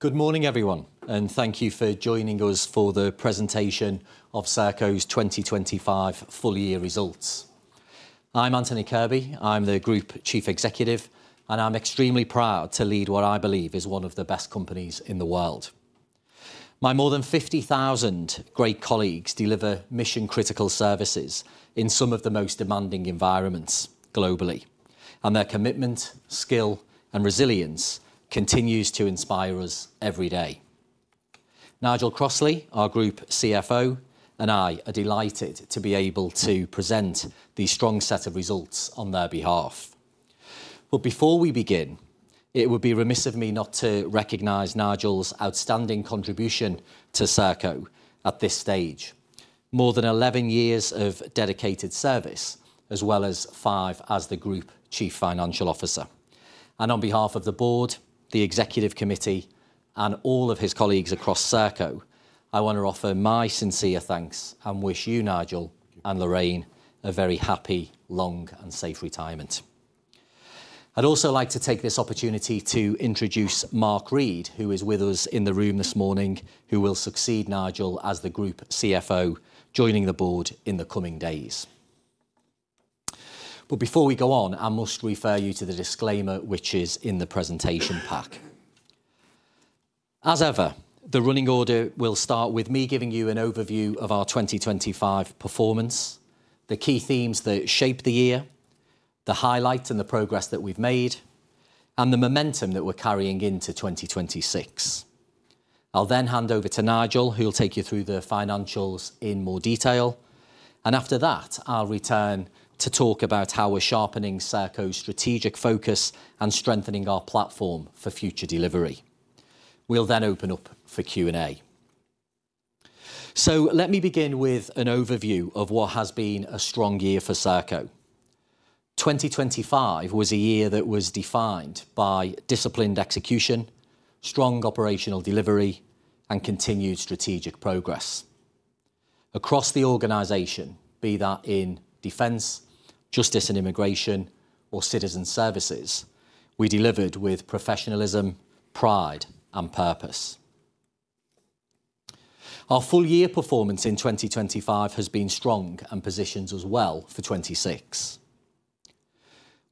Good morning, everyone, and thank you for joining us for the presentation of Serco's 2025 full-year results. I'm Anthony Kirby. I'm the Group Chief Executive. I'm extremely proud to lead what I believe is one of the best companies in the world. My more than 50,000 great colleagues deliver mission-critical services in some of the most demanding environments globally. Their commitment, skill, and resilience continues to inspire us every day. Nigel Crossley, our Group CFO, and I are delighted to be able to present the strong set of results on their behalf. Before we begin, it would be remiss of me not to recognize Nigel's outstanding contribution to Serco at this stage. More than 11 years of dedicated service, as well as 5 as the Group Chief Financial Officer. On behalf of the board, the executive committee, and all of his colleagues across Serco, I want to offer my sincere thanks and wish you, Nigel and Lorraine, a very happy, long and safe retirement. I'd also like to take this opportunity to introduce Mark Reid, who is with us in the room this morning, who will succeed Nigel as the Group CFO, joining the board in the coming days. Before we go on, I must refer you to the disclaimer, which is in the presentation pack. As ever, the running order will start with me giving you an overview of our 2025 performance, the key themes that shaped the year, the highlights and the progress that we've made, and the momentum that we're carrying into 2026. I'll hand over to Nigel, who will take you through the financials in more detail. After that, I'll return to talk about how we're sharpening Serco's strategic focus and strengthening our platform for future delivery. We'll open up for Q&A. Let me begin with an overview of what has been a strong year for Serco. 2025 was a year that was defined by disciplined execution, strong operational delivery, and continued strategic progress. Across the organization, be that in defense, justice and immigration, or citizen services, we delivered with professionalism, pride, and purpose. Our full year performance in 2025 has been strong and positions us well for 2026.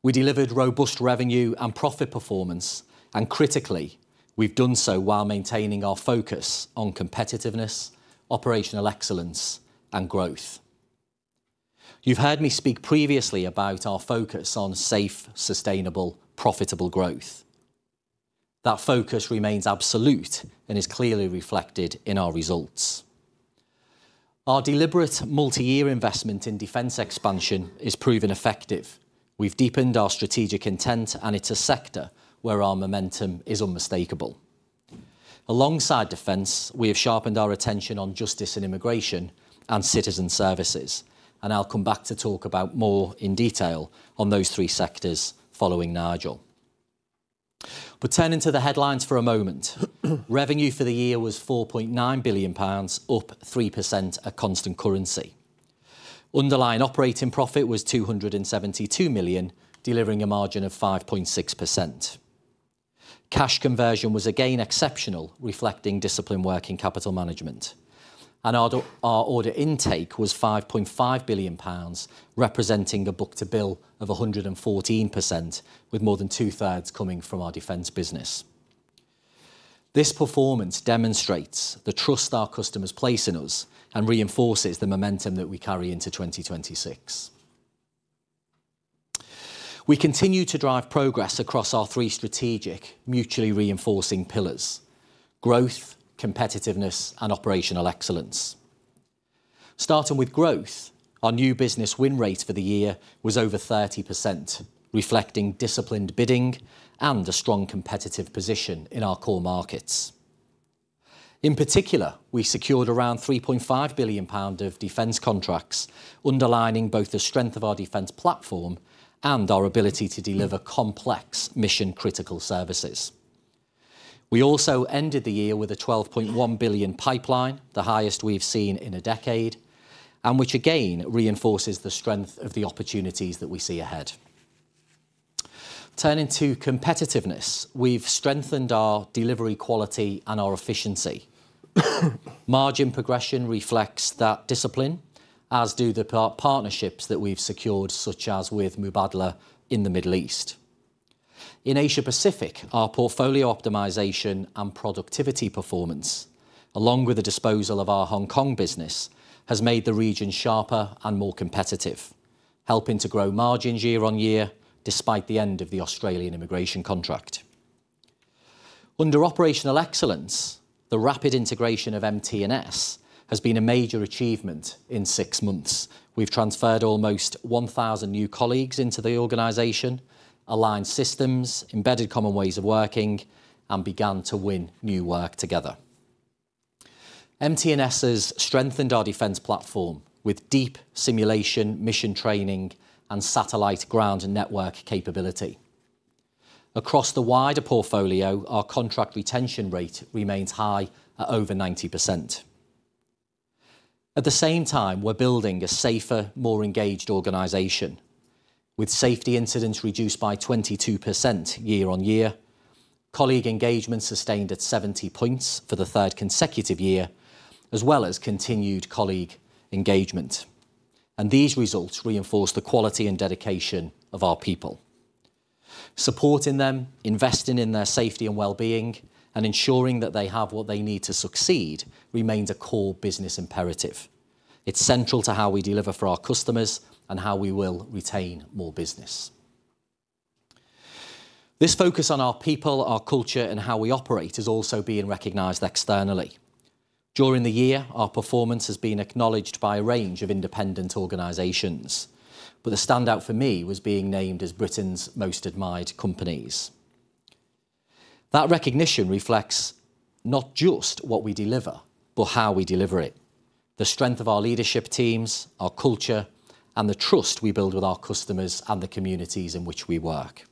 We delivered robust revenue and profit performance, and critically, we've done so while maintaining our focus on competitiveness, operational excellence, and growth. You've heard me speak previously about our focus on safe, sustainable, profitable growth. That focus remains absolute and is clearly reflected in our results. Our deliberate multi-year investment in Defense expansion is proven effective. We've deepened our strategic intent. It's a sector where our momentum is unmistakable. Alongside Defense, we have sharpened our attention on Justice and Immigration and Citizen Services. I'll come back to talk about more in detail on those three sectors following Nigel. Turning to the headlines for a moment. Revenue for the year was 4.9 billion pounds, up 3% at constant currency. Underlying operating profit was 272 million, delivering a margin of 5.6%. Cash conversion was again exceptional, reflecting disciplined working capital management. Our order intake was 5.5 billion pounds, representing a book-to-bill of 114%, with more than two-thirds coming from our Defense business. This performance demonstrates the trust our customers place in us and reinforces the momentum that we carry into 2026. We continue to drive progress across our three strategic mutually reinforcing pillars: growth, competitiveness, and operational excellence. Starting with growth, our new business win rate for the year was over 30%, reflecting disciplined bidding and a strong competitive position in our core markets. In particular, we secured around 3.5 billion pound of defense contracts, underlining both the strength of our defense platform and our ability to deliver complex mission-critical services. We also ended the year with a 12.1 billion pipeline, the highest we've seen in a decade, and which again reinforces the strength of the opportunities that we see ahead. Turning to competitiveness. We've strengthened our delivery quality and our efficiency. Margin progression reflects that discipline, as do the partnerships that we've secured, such as with Mubadala in the Middle East. In Asia Pacific, our portfolio optimization and productivity performance, along with the disposal of our Hong Kong business, has made the region sharper and more competitive, helping to grow margins year on year despite the end of the Australian immigration contract. Under operational excellence, the rapid integration of MT&S has been a major achievement in six months. We've transferred almost 1,000 new colleagues into the organization, aligned systems, embedded common ways of working, and begun to win new work together. MT&S has strengthened our defense platform with deep simulation, mission training, and satellite ground and network capability. Across the wider portfolio, our contract retention rate remains high at over 90%. At the same time, we're building a safer, more engaged organization with safety incidents reduced by 22% year-over-year, colleague engagement sustained at 70 points for the third consecutive year, as well as continued colleague engagement. These results reinforce the quality and dedication of our people. Supporting them, investing in their safety and wellbeing, and ensuring that they have what they need to succeed remains a core business imperative. It's central to how we deliver for our customers and how we will retain more business. This focus on our people, our culture, and how we operate is also being recognized externally. During the year, our performance has been acknowledged by a range of independent organizations, but the standout for me was being named as Britain's Most Admired Companies. That recognition reflects not just what we deliver, but how we deliver it, the strength of our leadership teams, our culture, and the trust we build with our customers and the communities in which we work.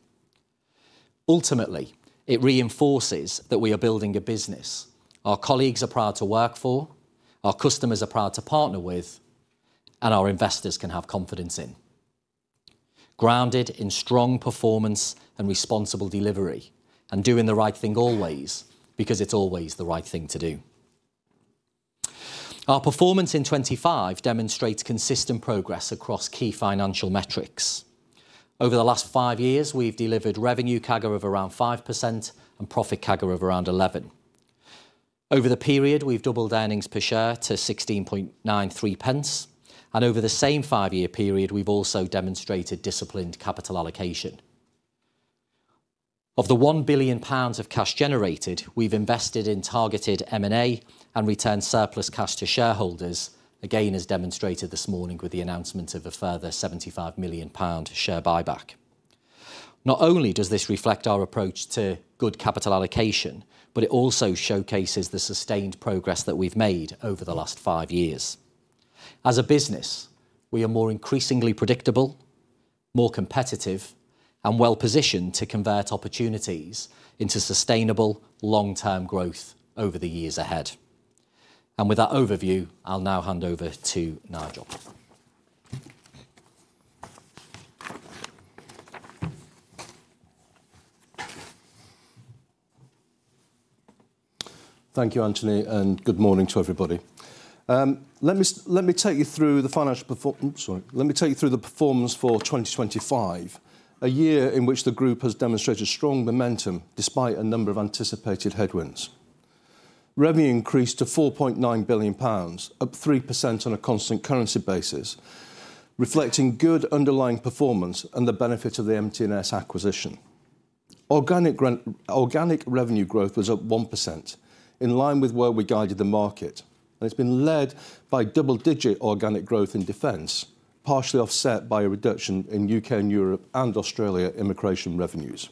Ultimately, it reinforces that we are building a business our colleagues are proud to work for, our customers are proud to partner with, and our investors can have confidence in. Grounded in strong performance and responsible delivery, doing the right thing always because it's always the right thing to do. Our performance in 2025 demonstrates consistent progress across key financial metrics. Over the last five years, we've delivered revenue CAGR of around 5% and profit CAGR of around 11%. Over the period, we've doubled earnings per share to 16.93 pence. Over the same five-year period, we've also demonstrated disciplined capital allocation. Of the 1 billion pounds of cash generated, we've invested in targeted M&A and returned surplus cash to shareholders, again, as demonstrated this morning with the announcement of a further 75 million pound share buyback. Not only does this reflect our approach to good capital allocation, but it also showcases the sustained progress that we've made over the last 5 years. As a business, we are more increasingly predictable, more competitive, and well-positioned to convert opportunities into sustainable long-term growth over the years ahead. With that overview, I'll now hand over to Nigel. Thank you, Anthony. Good morning to everybody. Let me take you through the performance for 2025, a year in which the group has demonstrated strong momentum despite a number of anticipated headwinds. Revenue increased to 4.9 billion pounds, up 3% on a constant currency basis, reflecting good underlying performance and the benefit of the MT&S acquisition. Organic revenue growth was up 1% in line with where we guided the market, and it's been led by double-digit organic growth in defense, partially offset by a reduction in U.K. and Europe and Australia immigration revenues.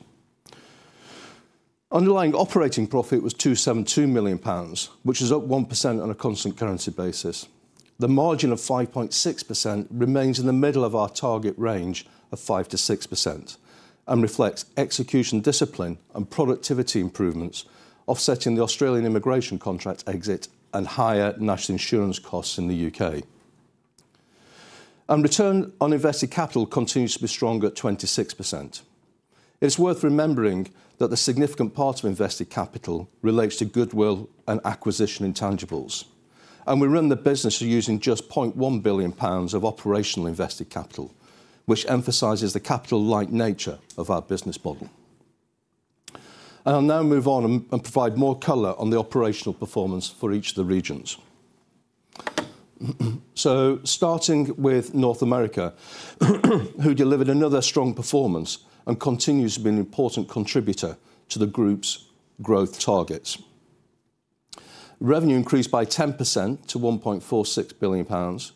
Underlying operating profit was 272 million pounds, which is up 1% on a constant currency basis. The margin of 5.6% remains in the middle of our target range of 5%-6% and reflects execution discipline and productivity improvements, offsetting the Australian immigration contract exit and higher national insurance costs in the U.K.. Return on invested capital continues to be strong at 26%. It's worth remembering that the significant part of invested capital relates to goodwill and acquisition intangibles. We run the business using just 0.1 billion pounds of operational invested capital, which emphasizes the capital light nature of our business model. I'll now move on and provide more color on the operational performance for each of the regions. Starting with North America who delivered another strong performance and continues to be an important contributor to the group's growth targets. Revenue increased by 10% to 1.46 billion pounds,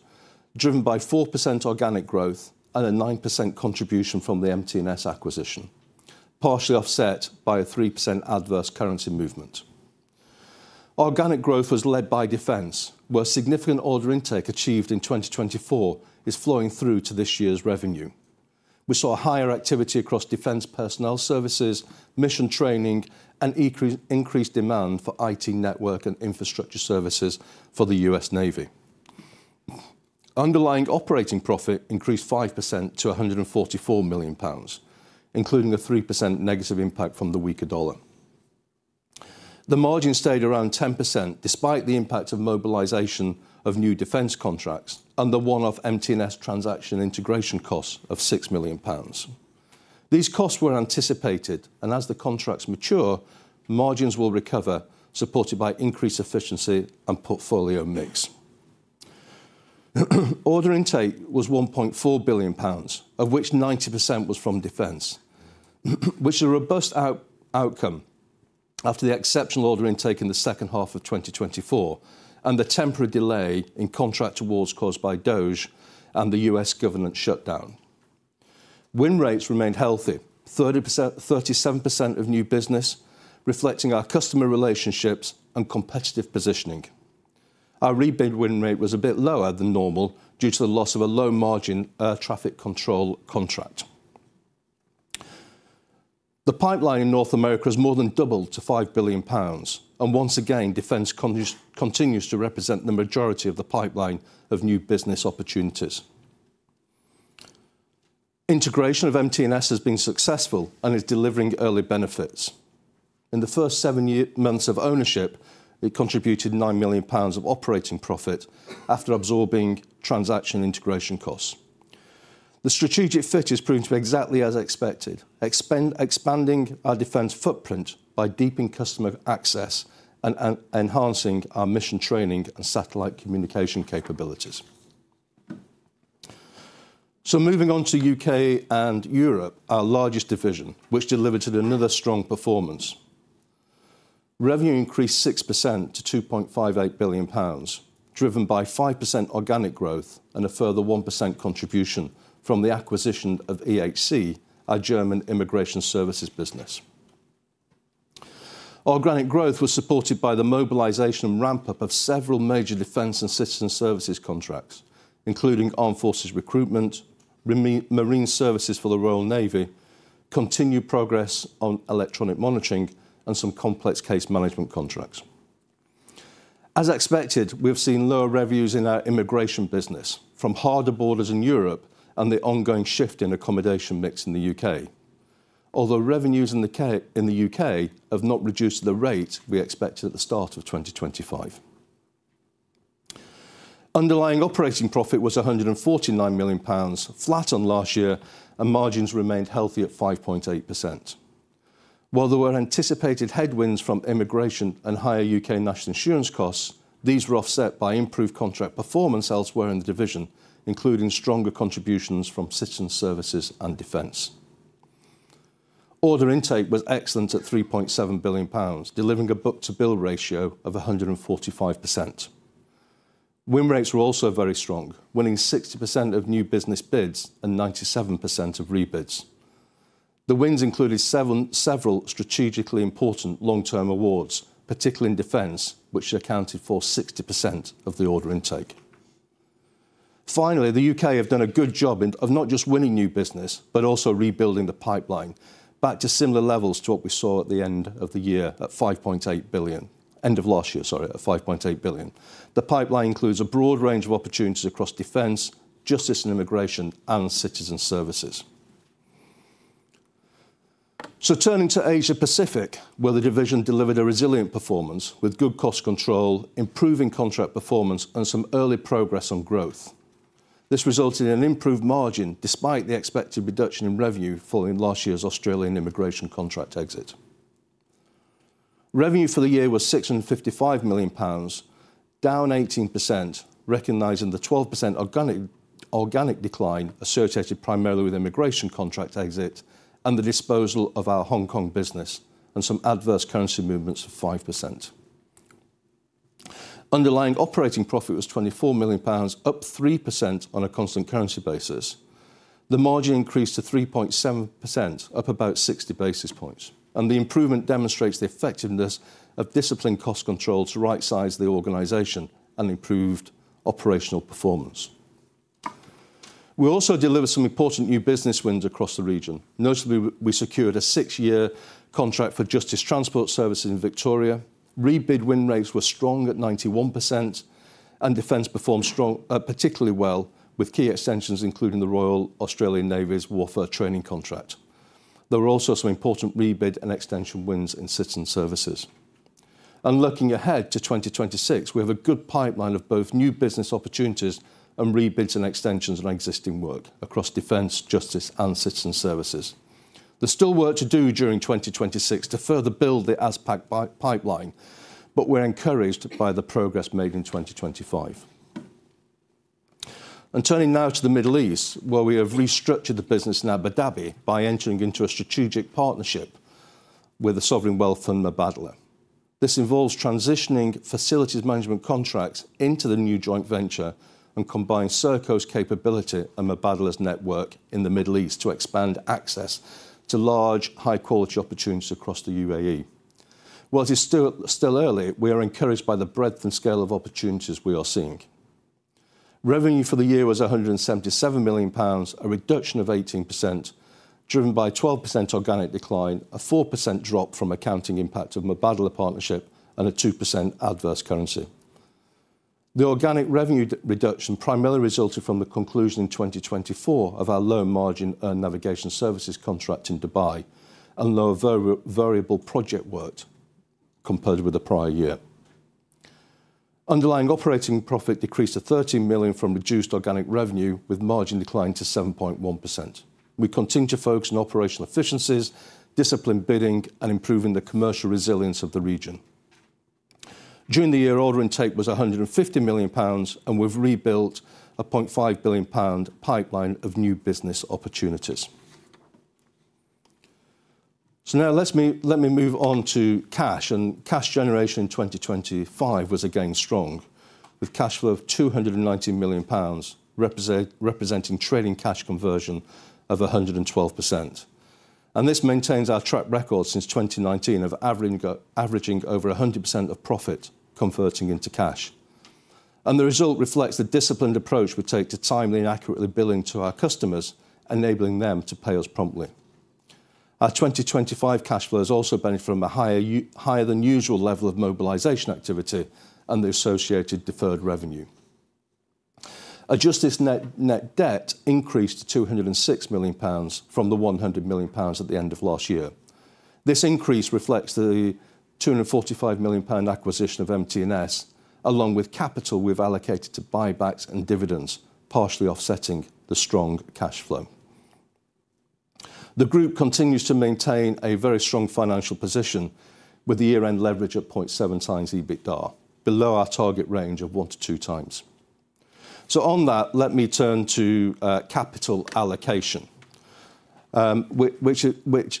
driven by 4% organic growth and a 9% contribution from the MT&S acquisition, partially offset by a 3% adverse currency movement. Organic growth was led by defense, where significant order intake achieved in 2024 is flowing through to this year's revenue. We saw higher activity across defense personnel services, mission training, and increased demand for IT network and infrastructure services for the U.S. Navy. Underlying operating profit increased 5% to 144 million pounds, including a 3% negative impact from the weaker dollar. The margin stayed around 10% despite the impact of mobilization of new defense contracts and the one-off MT&S transaction integration cost of 6 million pounds. These costs were anticipated, as the contracts mature, margins will recover, supported by increased efficiency and portfolio mix. Order intake was 1.4 billion pounds, of which 90% was from defense, which is a robust outcome after the exceptional order intake in the second half of 2024 and the temporary delay in contract awards caused by DOJ and the U.S. government shutdown. Win rates remained healthy, 37% of new business reflecting our customer relationships and competitive positioning. Our rebid win rate was a bit lower than normal due to the loss of a low margin traffic control contract. The pipeline in North America has more than doubled to 5 billion pounds. Once again, defense continues to represent the majority of the pipeline of new business opportunities. Integration of MT&S has been successful and is delivering early benefits. In the first seven months of ownership, it contributed 9 million pounds of operating profit after absorbing transaction integration costs. The strategic fit has proved to be exactly as expected, expanding our defense footprint by deepening customer access and enhancing our mission training and satellite communication capabilities. Moving on to U.K. and Europe, our largest division, which delivered another strong performance. Revenue increased 6% to 2.58 billion pounds, driven by 5% organic growth and a further 1% contribution from the acquisition of EHC, our German immigration services business. Organic growth was supported by the mobilization ramp-up of several major defense and citizen services contracts, including Armed Forces Recruiting, marine services for the Royal Navy, continued progress on Electronic Monitoring, and some complex case management contracts. As expected, we've seen lower revenues in our immigration business from harder borders in Europe and the ongoing shift in accommodation mix in the U.K.. Although revenues in the U.K. have not reduced the rate we expected at the start of 2025. Underlying operating profit was 149 million pounds, flat on last year, and margins remained healthy at 5.8%. While there were anticipated headwinds from immigration and higher U.K. national insurance costs, these were offset by improved contract performance elsewhere in the division, including stronger contributions from citizen services and defense. Order intake was excellent at 3.7 billion pounds, delivering a book-to-bill ratio of 145%. Win rates were also very strong, winning 60% of new business bids and 97% of rebids. The wins included several strategically important long-term awards, particularly in defense, which accounted for 60% of the order intake. Finally, the U.K. have done a good job in of not just winning new business, but also rebuilding the pipeline back to similar levels to what we saw at the end of the year at 5.8 billion. End of last year, sorry, at 5.8 billion. The pipeline includes a broad range of opportunities across defense, justice and immigration, and citizen services. Turning to Asia Pacific, where the division delivered a resilient performance with good cost control, improving contract performance, and some early progress on growth. This resulted in an improved margin despite the expected reduction in revenue following last year's Australian immigration contract exit. Revenue for the year was 655 million pounds, down 18%, recognizing the 12% organic decline associated primarily with immigration contract exit and the disposal of our Hong Kong business and some adverse currency movements of 5%. Underlying operating profit was 24 million pounds, up 3% on a constant currency basis. The margin increased to 3.7%, up about 60 basis points. The improvement demonstrates the effectiveness of disciplined cost control to right size the organization and improved operational performance. We also delivered some important new business wins across the region. Notably, we secured a 6-year contract for justice transport services in Victoria. Rebid win rates were strong at 91%. Defense performed strong, particularly well with key extensions, including the Royal Australian Navy's warfare training contract. There were also some important rebid and extension wins in citizen services. Looking ahead to 2026, we have a good pipeline of both new business opportunities and rebids and extensions on existing work across defense, justice, and citizen services. There's still work to do during 2026 to further build the Asia Pac pipeline. We're encouraged by the progress made in 2025. Turning now to the Middle East, where we have restructured the business in Abu Dhabi by entering into a strategic partnership with the Sovereign Wealth and Mubadala. This involves transitioning facilities management contracts into the new joint venture and combines Serco's capability and Mubadala's network in the Middle East to expand access to large, high-quality opportunities across the UAE. While it is still early, we are encouraged by the breadth and scale of opportunities we are seeing. Revenue for the year was 177 million pounds, a reduction of 18%, driven by a 12% organic decline, a 4% drop from accounting impact of Mubadala partnership, and a 2% adverse currency. The organic revenue reduction primarily resulted from the conclusion in 2024 of our low margin air navigation services contract in Dubai and lower variable project work compared with the prior year. Underlying operating profit decreased to 13 million from reduced organic revenue, with margin decline to 7.1%. We continue to focus on operational efficiencies, disciplined bidding, and improving the commercial resilience of the region. During the year, order intake was 150 million pounds, and we've rebuilt a 0.5 billion pound pipeline of new business opportunities. Now let me move on to cash. Cash generation in 2025 was again strong, with cash flow of 290 million pounds, representing trading cash conversion of 112%. This maintains our track record since 2019 of averaging over 100% of profit converting into cash. The result reflects the disciplined approach we take to timely and accurately billing to our customers, enabling them to pay us promptly. Our 2025 cash flows also benefit from a higher than usual level of mobilization activity and the associated deferred revenue. Adjusted net debt increased to 206 million pounds from the 100 million pounds at the end of last year. This increase reflects the 245 million pound acquisition of MT&S, along with capital we've allocated to buybacks and dividends, partially offsetting the strong cash flow. The group continues to maintain a very strong financial position with the year-end leverage of 0.7 times EBITDA, below our target range of 1 to 2 times. On that, let me turn to capital allocation, which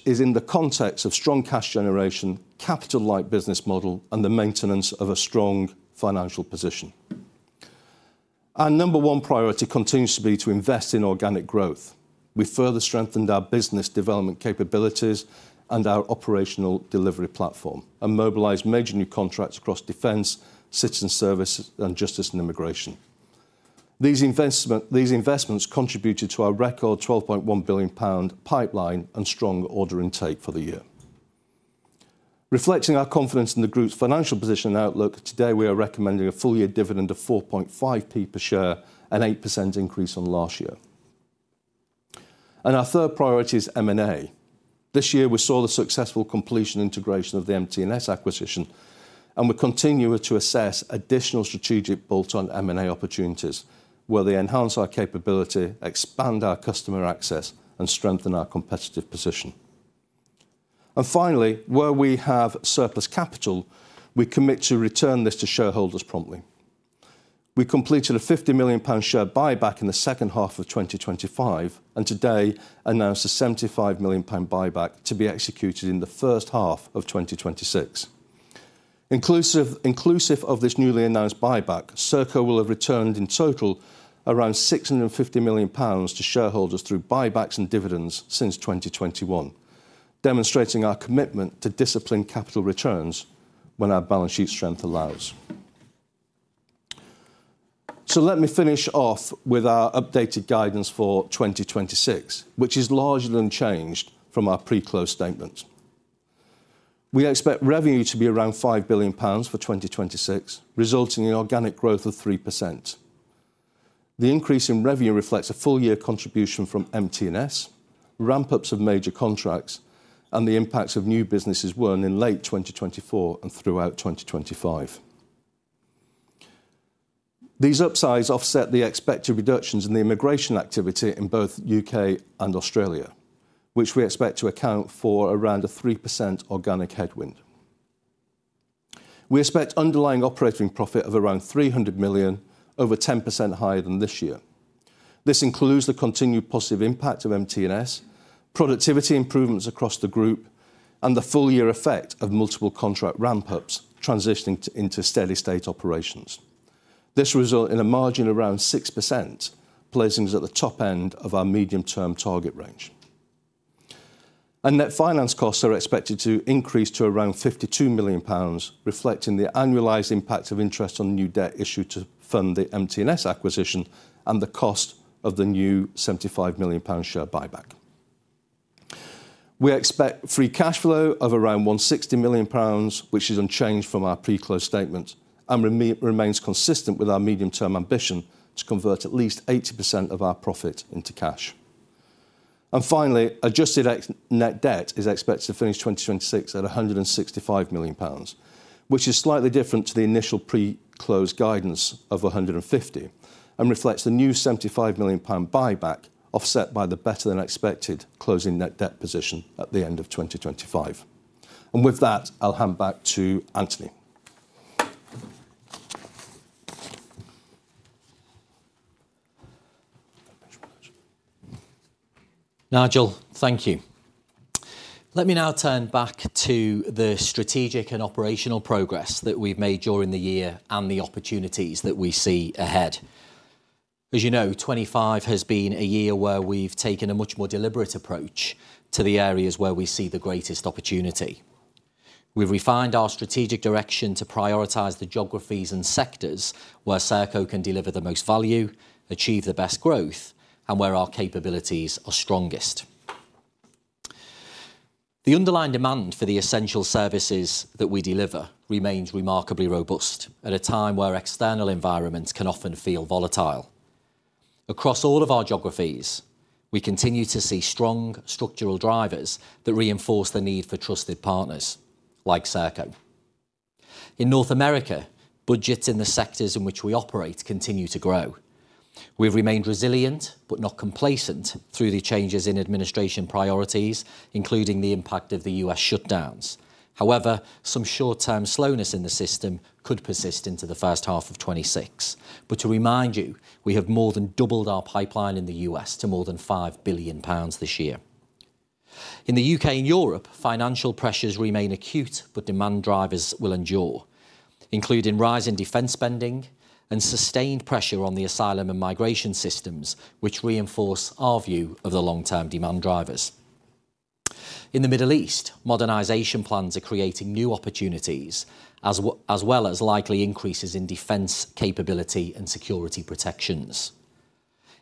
is in the context of strong cash generation, capital light business model, and the maintenance of a strong financial position. Our number one priority continues to be to invest in organic growth. We further strengthened our business development capabilities and our operational delivery platform and mobilized major new contracts across defense, citizen service, and justice and immigration. These investments contributed to our record 12.1 billion pound pipeline and strong order intake for the year. Reflecting our confidence in the group's financial position and outlook, today we are recommending a full-year dividend of 4.5p per share, an 8% increase on last year. Our third priority is M&A. This year we saw the successful completion integration of the MT&S acquisition, and we continue to assess additional strategic bolt-on M&A opportunities where they enhance our capability, expand our customer access, and strengthen our competitive position. Finally, where we have surplus capital, we commit to return this to shareholders promptly. We completed a 50 million pound share buyback in the second half of 2025 and today announced a 75 million pound buyback to be executed in the first half of 2026. Inclusive of this newly announced buyback, Serco will have returned in total around 650 million pounds to shareholders through buybacks and dividends since 2021, demonstrating our commitment to disciplined capital returns when our balance sheet strength allows. Let me finish off with our updated guidance for 2026, which is largely unchanged from our pre-close statement. We expect revenue to be around 5 billion pounds for 2026, resulting in organic growth of 3%. The increase in revenue reflects a full-year contribution from MT&S, ramp-ups of major contracts, and the impacts of new businesses won in late 2024 and throughout 2025. These upsides offset the expected reductions in the immigration activity in both U.K. and Australia, which we expect to account for around a 3% organic headwind. We expect underlying operating profit of around 300 million, over 10% higher than this year. This includes the continued positive impact of MT&S, productivity improvements across the group, and the full-year effect of multiple contract ramp-ups transitioning into steady-state operations. This will result in a margin around 6%, placing us at the top end of our medium-term target range. Net finance costs are expected to increase to around 52 million pounds, reflecting the annualized impact of interest on new debt issued to fund the MT&S acquisition and the cost of the new 75 million pound share buyback. We expect free cash flow of around 160 million pounds, which is unchanged from our pre-close statement and remains consistent with our medium-term ambition to convert at least 80% of our profit into cash. Finally, adjusted net debt is expected to finish 2026 at 165 million pounds, which is slightly different to the initial pre-close guidance of 150 million and reflects the new 75 million pound buyback offset by the better than expected closing net debt position at the end of 2025. With that, I'll hand back to Anthony. Nigel, thank you. Let me now turn back to the strategic and operational progress that we've made during the year and the opportunities that we see ahead. As you know, 25 has been a year where we've taken a much more deliberate approach to the areas where we see the greatest opportunity. We've refined our strategic direction to prioritize the geographies and sectors where Serco can deliver the most value, achieve the best growth, and where our capabilities are strongest. The underlying demand for the essential services that we deliver remains remarkably robust at a time where external environments can often feel volatile. Across all of our geographies, we continue to see strong structural drivers that reinforce the need for trusted partners like Serco. In North America, budgets in the sectors in which we operate continue to grow. We've remained resilient, but not complacent through the changes in administration priorities, including the impact of the U.S. shutdowns. Some short-term slowness in the system could persist into the first half of 2026. To remind you, we have more than doubled our pipeline in the U.S. to more than 5 billion pounds this year. In the U.K. and Europe, financial pressures remain acute, but demand drivers will endure, including rise in defense spending and sustained pressure on the asylum and migration systems, which reinforce our view of the long-term demand drivers. In the Middle East, modernization plans are creating new opportunities as well as likely increases in defense capability and security protections.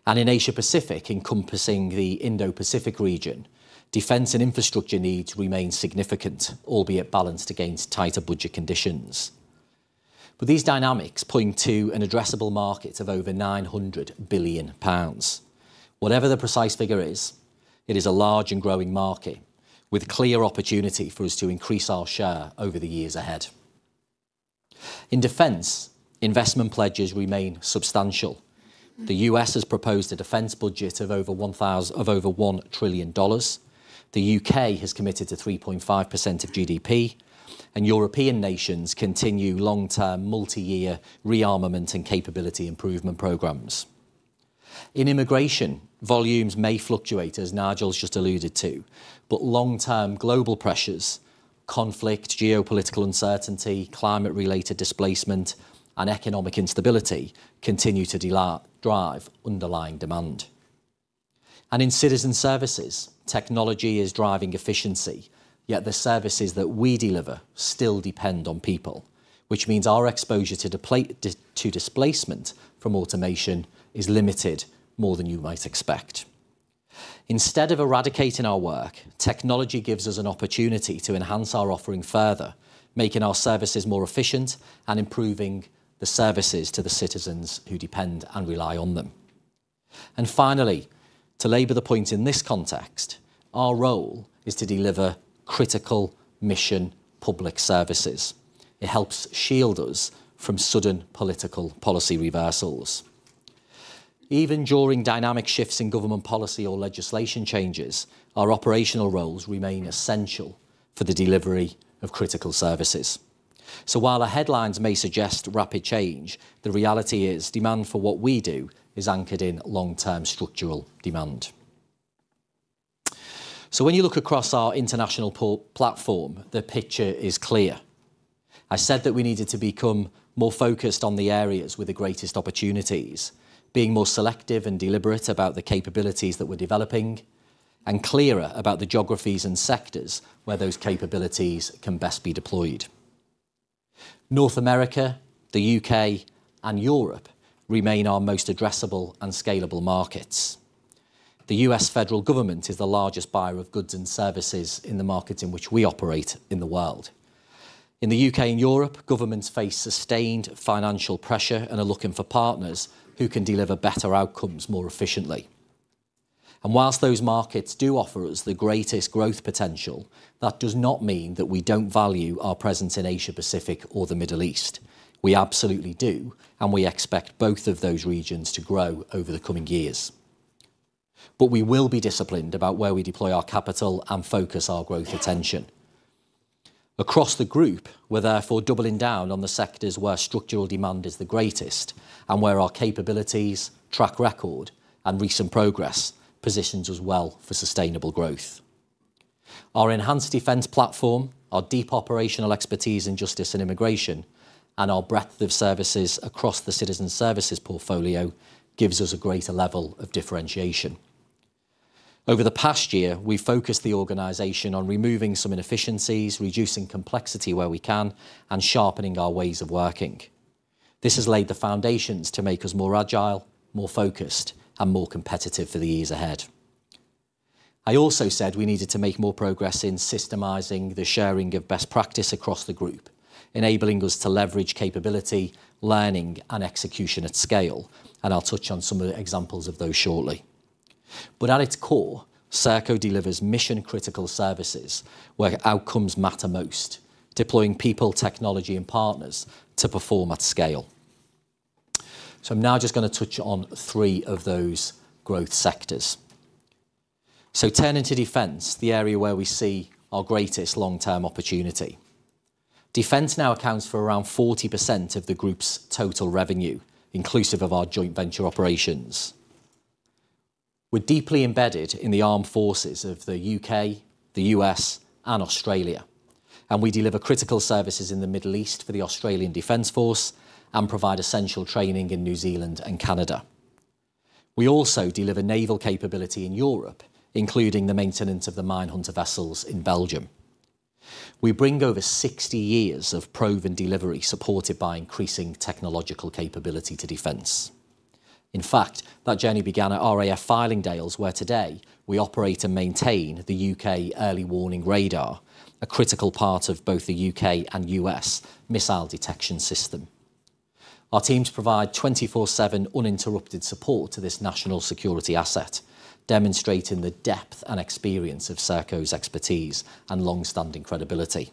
In Asia Pacific, encompassing the Indo-Pacific region, defense and infrastructure needs remain significant, albeit balanced against tighter budget conditions. These dynamics point to an addressable market of over 900 billion pounds. Whatever the precise figure is, it is a large and growing market with clear opportunity for us to increase our share over the years ahead. In defense, investment pledges remain substantial. The U.S. has proposed a defense budget of over $1 trillion. The U.K. has committed to 3.5% of GDP. European nations continue long-term, multi-year rearmament and capability improvement programs. In immigration, volumes may fluctuate, as Nigel's just alluded to. Long-term global pressures, conflict, geopolitical uncertainty, climate-related displacement, and economic instability continue to drive underlying demand. In citizen services, technology is driving efficiency, yet the services that we deliver still depend on people, which means our exposure to displacement from automation is limited more than you might expect. Instead of eradicating our work, technology gives us an opportunity to enhance our offering further, making our services more efficient and improving the services to the citizens who depend and rely on them. Finally, to labor the point in this context, our role is to deliver critical mission public services. It helps shield us from sudden political policy reversals. Even during dynamic shifts in government policy or legislation changes, our operational roles remain essential for the delivery of critical services. While the headlines may suggest rapid change, the reality is demand for what we do is anchored in long-term structural demand. When you look across our international platform, the picture is clear. I said that we needed to become more focused on the areas with the greatest opportunities, being more selective and deliberate about the capabilities that we're developing and clearer about the geographies and sectors where those capabilities can best be deployed. North America, the U.K., and Europe remain our most addressable and scalable markets. The U.S. federal government is the largest buyer of goods and services in the markets in which we operate in the world. In the U.K. and Europe, governments face sustained financial pressure and are looking for partners who can deliver better outcomes more efficiently. Whilst those markets do offer us the greatest growth potential, that does not mean that we don't value our presence in Asia-Pacific or the Middle East. We absolutely do, and we expect both of those regions to grow over the coming years. We will be disciplined about where we deploy our capital and focus our growth attention. Across the group, we're therefore doubling down on the sectors where structural demand is the greatest and where our capabilities, track record, and recent progress positions us well for sustainable growth. Our enhanced Defense platform, our deep operational expertise in justice and immigration, and our breadth of services across the citizen services portfolio gives us a greater level of differentiation. Over the past year, we focused the organization on removing some inefficiencies, reducing complexity where we can, and sharpening our ways of working. This has laid the foundations to make us more agile, more focused, and more competitive for the years ahead. I also said we needed to make more progress in systemizing the sharing of best practice across the group, enabling us to leverage capability, learning, and execution at scale, and I'll touch on some of the examples of those shortly. At its core, Serco delivers mission-critical services where outcomes matter most, deploying people, technology, and partners to perform at scale. I'm now just gonna touch on three of those growth sectors. Turning to defense, the area where we see our greatest long-term opportunity. Defense now accounts for around 40% of the group's total revenue, inclusive of our joint venture operations. We're deeply embedded in the armed forces of the U.K., the U.S., and Australia, and we deliver critical services in the Middle East for the Australian Defence Force and provide essential training in New Zealand and Canada. We also deliver naval capability in Europe, including the maintenance of the minehunter vessels in Belgium. We bring over 60 years of proven delivery supported by increasing technological capability to defense. In fact, that journey began at RAF Fylingdales, where today we operate and maintain the U.K. early warning radar, a critical part of both the U.K. and U.S. missile detection system. Our teams provide 24/7 uninterrupted support to this national security asset, demonstrating the depth and experience of Serco's expertise and long-standing credibility.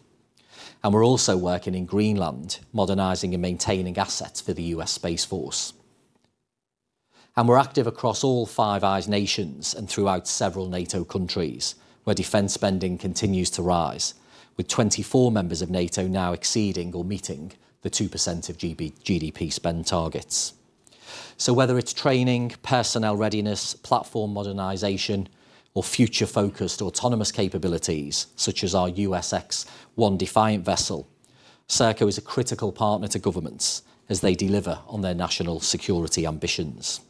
We're also working in Greenland, modernizing and maintaining assets for the U.S. Space Force. We're active across all Five Eyes nations and throughout several NATO countries, where defense spending continues to rise, with 24 members of NATO now exceeding or meeting the 2% of GDP spend targets. Whether it's training, personnel readiness, platform modernization, or future-focused autonomous capabilities, such as our USX-1 Defiant vessel, Serco is a critical partner to governments as they deliver on their national security ambitions.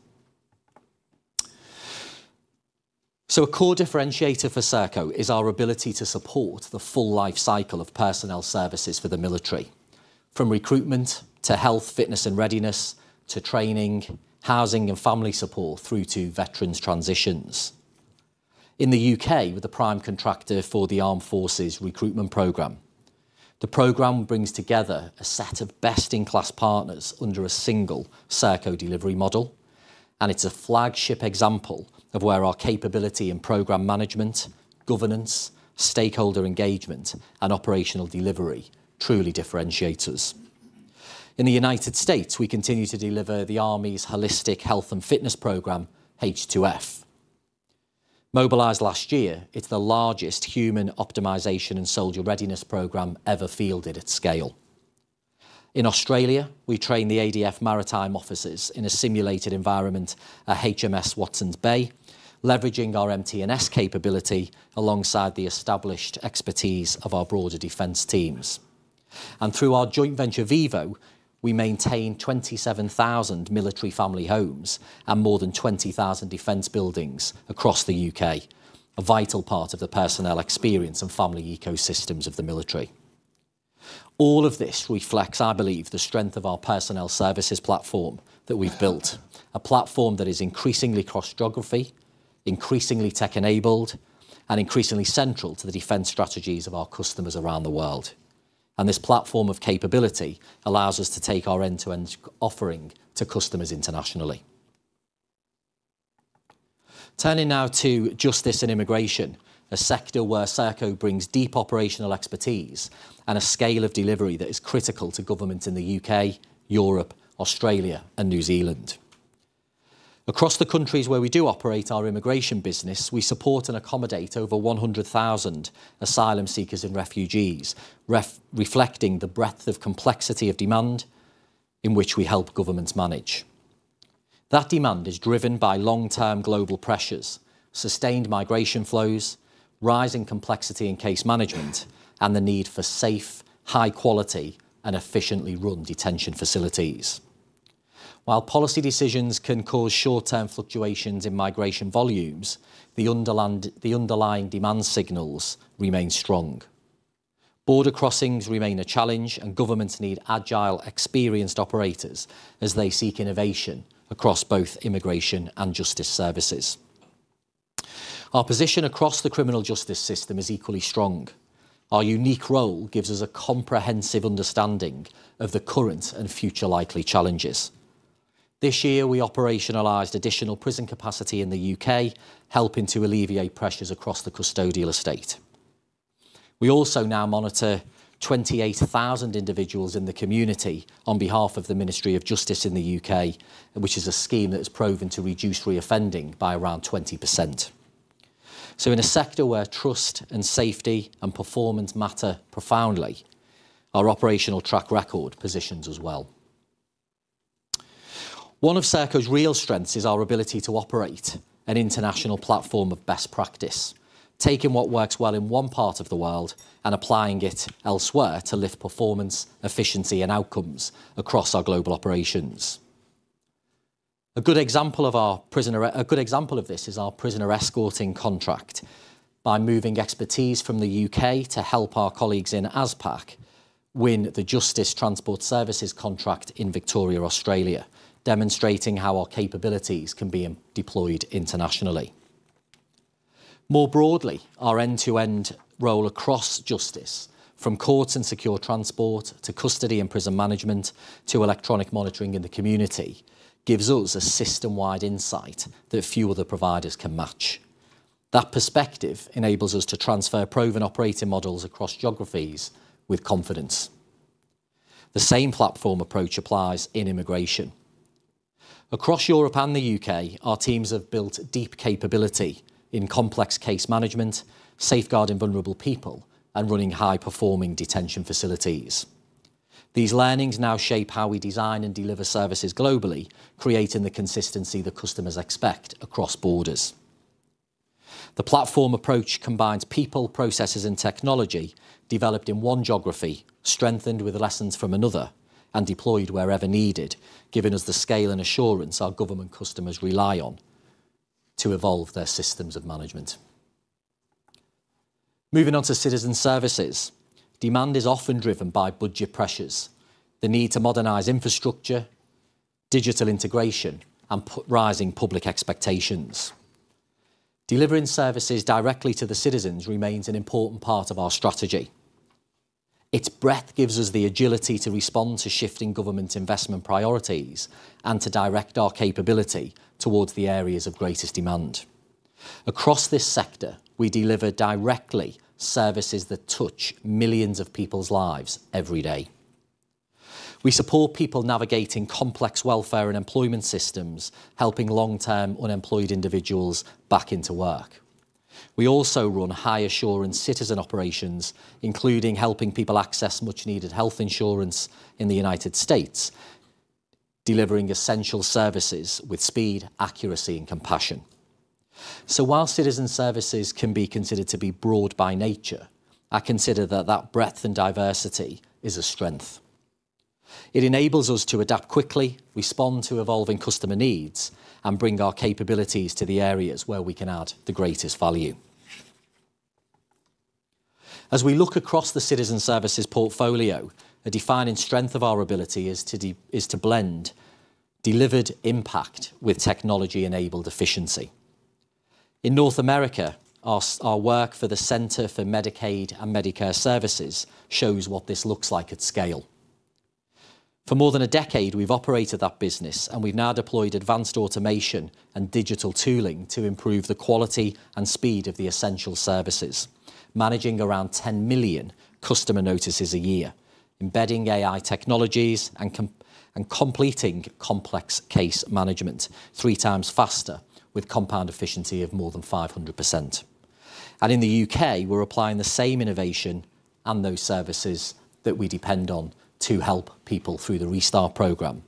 A core differentiator for Serco is our ability to support the full life cycle of personnel services for the military, from recruitment to health, fitness and readiness, to training, housing and family support through to veterans transitions. In the U.K., we're the prime contractor for the Armed Forces Recruiting Programme. The program brings together a set of best-in-class partners under a single Serco delivery model, and it's a flagship example of where our capability in program management, governance, stakeholder engagement and operational delivery truly differentiates us. In the U.S., we continue to deliver the Army's Holistic Health and Fitness program, H2F. Mobilized last year, it's the largest human optimization and soldier readiness program ever fielded at scale. In Australia, we train the ADF maritime officers in a simulated environment at HMAS Watsons Bay, leveraging our MT&S capability alongside the established expertise of our broader defense teams. Through our joint venture, VIVO, we maintain 27,000 military family homes and more than 20,000 defense buildings across the U.K., a vital part of the personnel experience and family ecosystems of the military. All of this reflects, I believe, the strength of our personnel services platform that we've built, a platform that is increasingly cross-geography, increasingly tech-enabled, and increasingly central to the defense strategies of our customers around the world. This platform of capability allows us to take our end-to-end offering to customers internationally. Turning now to justice and immigration, a sector where Serco brings deep operational expertise and a scale of delivery that is critical to government in the U.K., Europe, Australia and New Zealand. Across the countries where we do operate our immigration business, we support and accommodate over 100,000 asylum seekers and refugees, reflecting the breadth of complexity of demand in which we help governments manage. That demand is driven by long-term global pressures, sustained migration flows, rising complexity in case management, and the need for safe, high quality and efficiently run detention facilities. While policy decisions can cause short-term fluctuations in migration volumes, the underlying demand signals remain strong. Border crossings remain a challenge and governments need agile, experienced operators as they seek innovation across both immigration and justice services. Our position across the criminal justice system is equally strong. Our unique role gives us a comprehensive understanding of the current and future likely challenges. This year, we operationalized additional prison capacity in the U.K., helping to alleviate pressures across the custodial estate. We also now monitor 28,000 individuals in the community on behalf of the Ministry of Justice in the U.K., which is a scheme that has proven to reduce reoffending by around 20%. In a sector where trust and safety and performance matter profoundly, our operational track record positions us well. One of Serco's real strengths is our ability to operate an international platform of best practice, taking what works well in one part of the world and applying it elsewhere to lift performance, efficiency and outcomes across our global operations. A good example of this is our prisoner escorting contract by moving expertise from the U.K. to help our colleagues in ASPAC win the Justice Transport Services contract in Victoria, Australia, demonstrating how our capabilities can be deployed internationally. More broadly, our end-to-end role across justice from courts and secure transport to custody and prison management to Electronic Monitoring in the community gives us a system-wide insight that few other providers can match. That perspective enables us to transfer proven operating models across geographies with confidence. The same platform approach applies in immigration. Across Europe and the U.K., our teams have built deep capability in complex case management, safeguarding vulnerable people, and running high-performing detention facilities. These learnings now shape how we design and deliver services globally, creating the consistency that customers expect across borders. The platform approach combines people, processes, and technology developed in one geography, strengthened with lessons from another, and deployed wherever needed, giving us the scale and assurance our government customers rely on to evolve their systems of management. Moving on to citizen services. Demand is often driven by budget pressures, the need to modernize infrastructure, digital integration, and rising public expectations. Delivering services directly to the citizens remains an important part of our strategy. Its breadth gives us the agility to respond to shifting government investment priorities and to direct our capability towards the areas of greatest demand. Across this sector, we deliver directly services that touch millions of people's lives every day. We support people navigating complex welfare and employment systems, helping long-term unemployed individuals back into work. We also run high-assurance citizen operations, including helping people access much-needed health insurance in the United States, delivering essential services with speed, accuracy, and compassion. While citizen services can be considered to be broad by nature, I consider that that breadth and diversity is a strength. It enables us to adapt quickly, respond to evolving customer needs, and bring our capabilities to the areas where we can add the greatest value. As we look across the citizen services portfolio, a defining strength of our ability is to blend delivered impact with technology-enabled efficiency. In North America, our work for the Centers for Medicare & Medicaid Services shows what this looks like at scale. For more than a decade, we've operated that business. We've now deployed advanced automation and digital tooling to improve the quality and speed of the essential services, managing around 10 million customer notices a year, embedding AI technologies and completing complex case management three times faster with compound efficiency of more than 500%. In the U.K., we're applying the same innovation and those services that we depend on to help people through the Restart Scheme.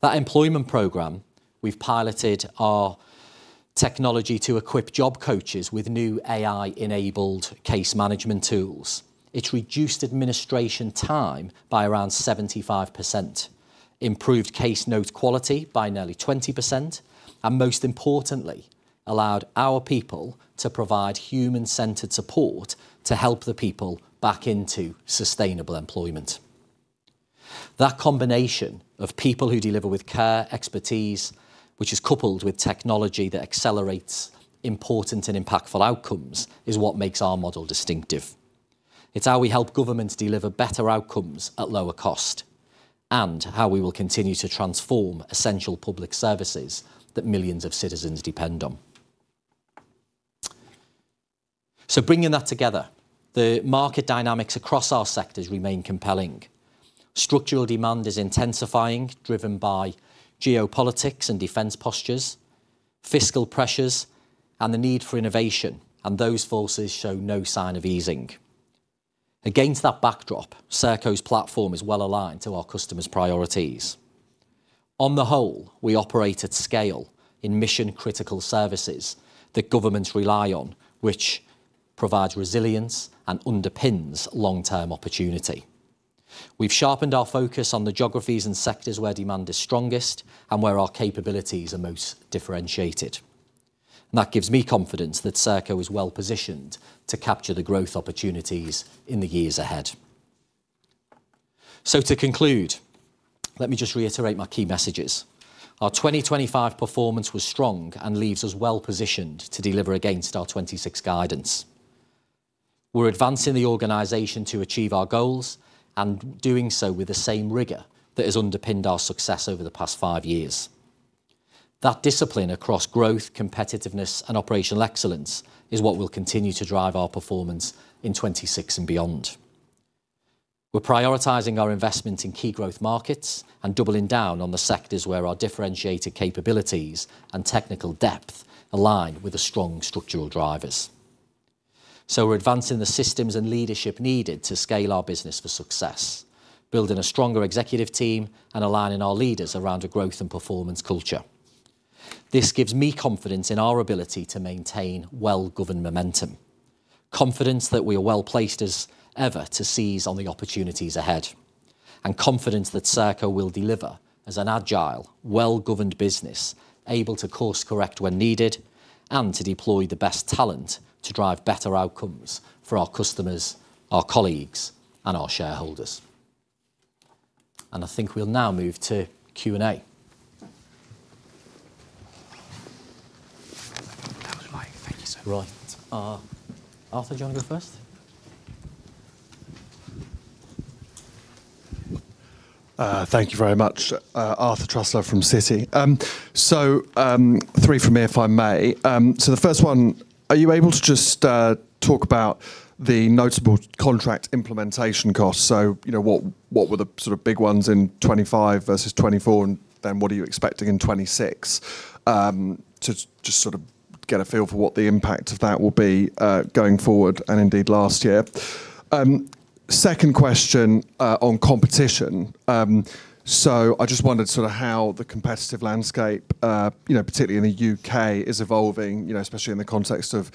That employment program, we've piloted our technology to equip job coaches with new AI-enabled case management tools. It reduced administration time by around 75%, improved case note quality by nearly 20%, most importantly, allowed our people to provide human-centered support to help the people back into sustainable employment. That combination of people who deliver with care, expertise, which is coupled with technology that accelerates important and impactful outcomes, is what makes our model distinctive. It's how we help governments deliver better outcomes at lower cost, how we will continue to transform essential public services that millions of citizens depend on. Bringing that together, the market dynamics across our sectors remain compelling. Structural demand is intensifying, driven by geopolitics and defense postures, fiscal pressures, and the need for innovation, those forces show no sign of easing. Against that backdrop, Serco's platform is well-aligned to our customers' priorities. On the whole, we operate at scale in mission-critical services that governments rely on, which provides resilience and underpins long-term opportunity. We've sharpened our focus on the geographies and sectors where demand is strongest and where our capabilities are most differentiated. That gives me confidence that Serco is well-positioned to capture the growth opportunities in the years ahead. To conclude, let me just reiterate my key messages. Our 2025 performance was strong and leaves us well-positioned to deliver against our 2026 guidance. We're advancing the organization to achieve our goals and doing so with the same rigor that has underpinned our success over the past five years. That discipline across growth, competitiveness, and operational excellence is what will continue to drive our performance in 2026 and beyond. We're prioritizing our investment in key growth markets and doubling down on the sectors where our differentiated capabilities and technical depth align with the strong structural drivers. We're advancing the systems and leadership needed to scale our business for success, building a stronger executive team and aligning our leaders around a growth and performance culture. This gives me confidence in our ability to maintain well-governed momentum. Confidence that we are well-placed as ever to seize on the opportunities ahead, and confidence that Serco will deliver as an agile, well-governed business, able to course-correct when needed and to deploy the best talent to drive better outcomes for our customers, our colleagues, and our shareholders. I think we'll now move to Q&A. Thank you. Right. Arthur, do you wanna go first? Thank you very much. Arthur Truslove from Citi. Three from me, if I may. The first one, are you able to just talk about the notable contract implementation costs? You know, what were the sort of big ones in 2025 versus 2024, and then what are you expecting in 2026? To just sort of get a feel for what the impact of that will be going forward, and indeed last year. Second question on competition. I just wondered sort of how the competitive landscape, you know, particularly in the U.K. is evolving, you know, especially in the context of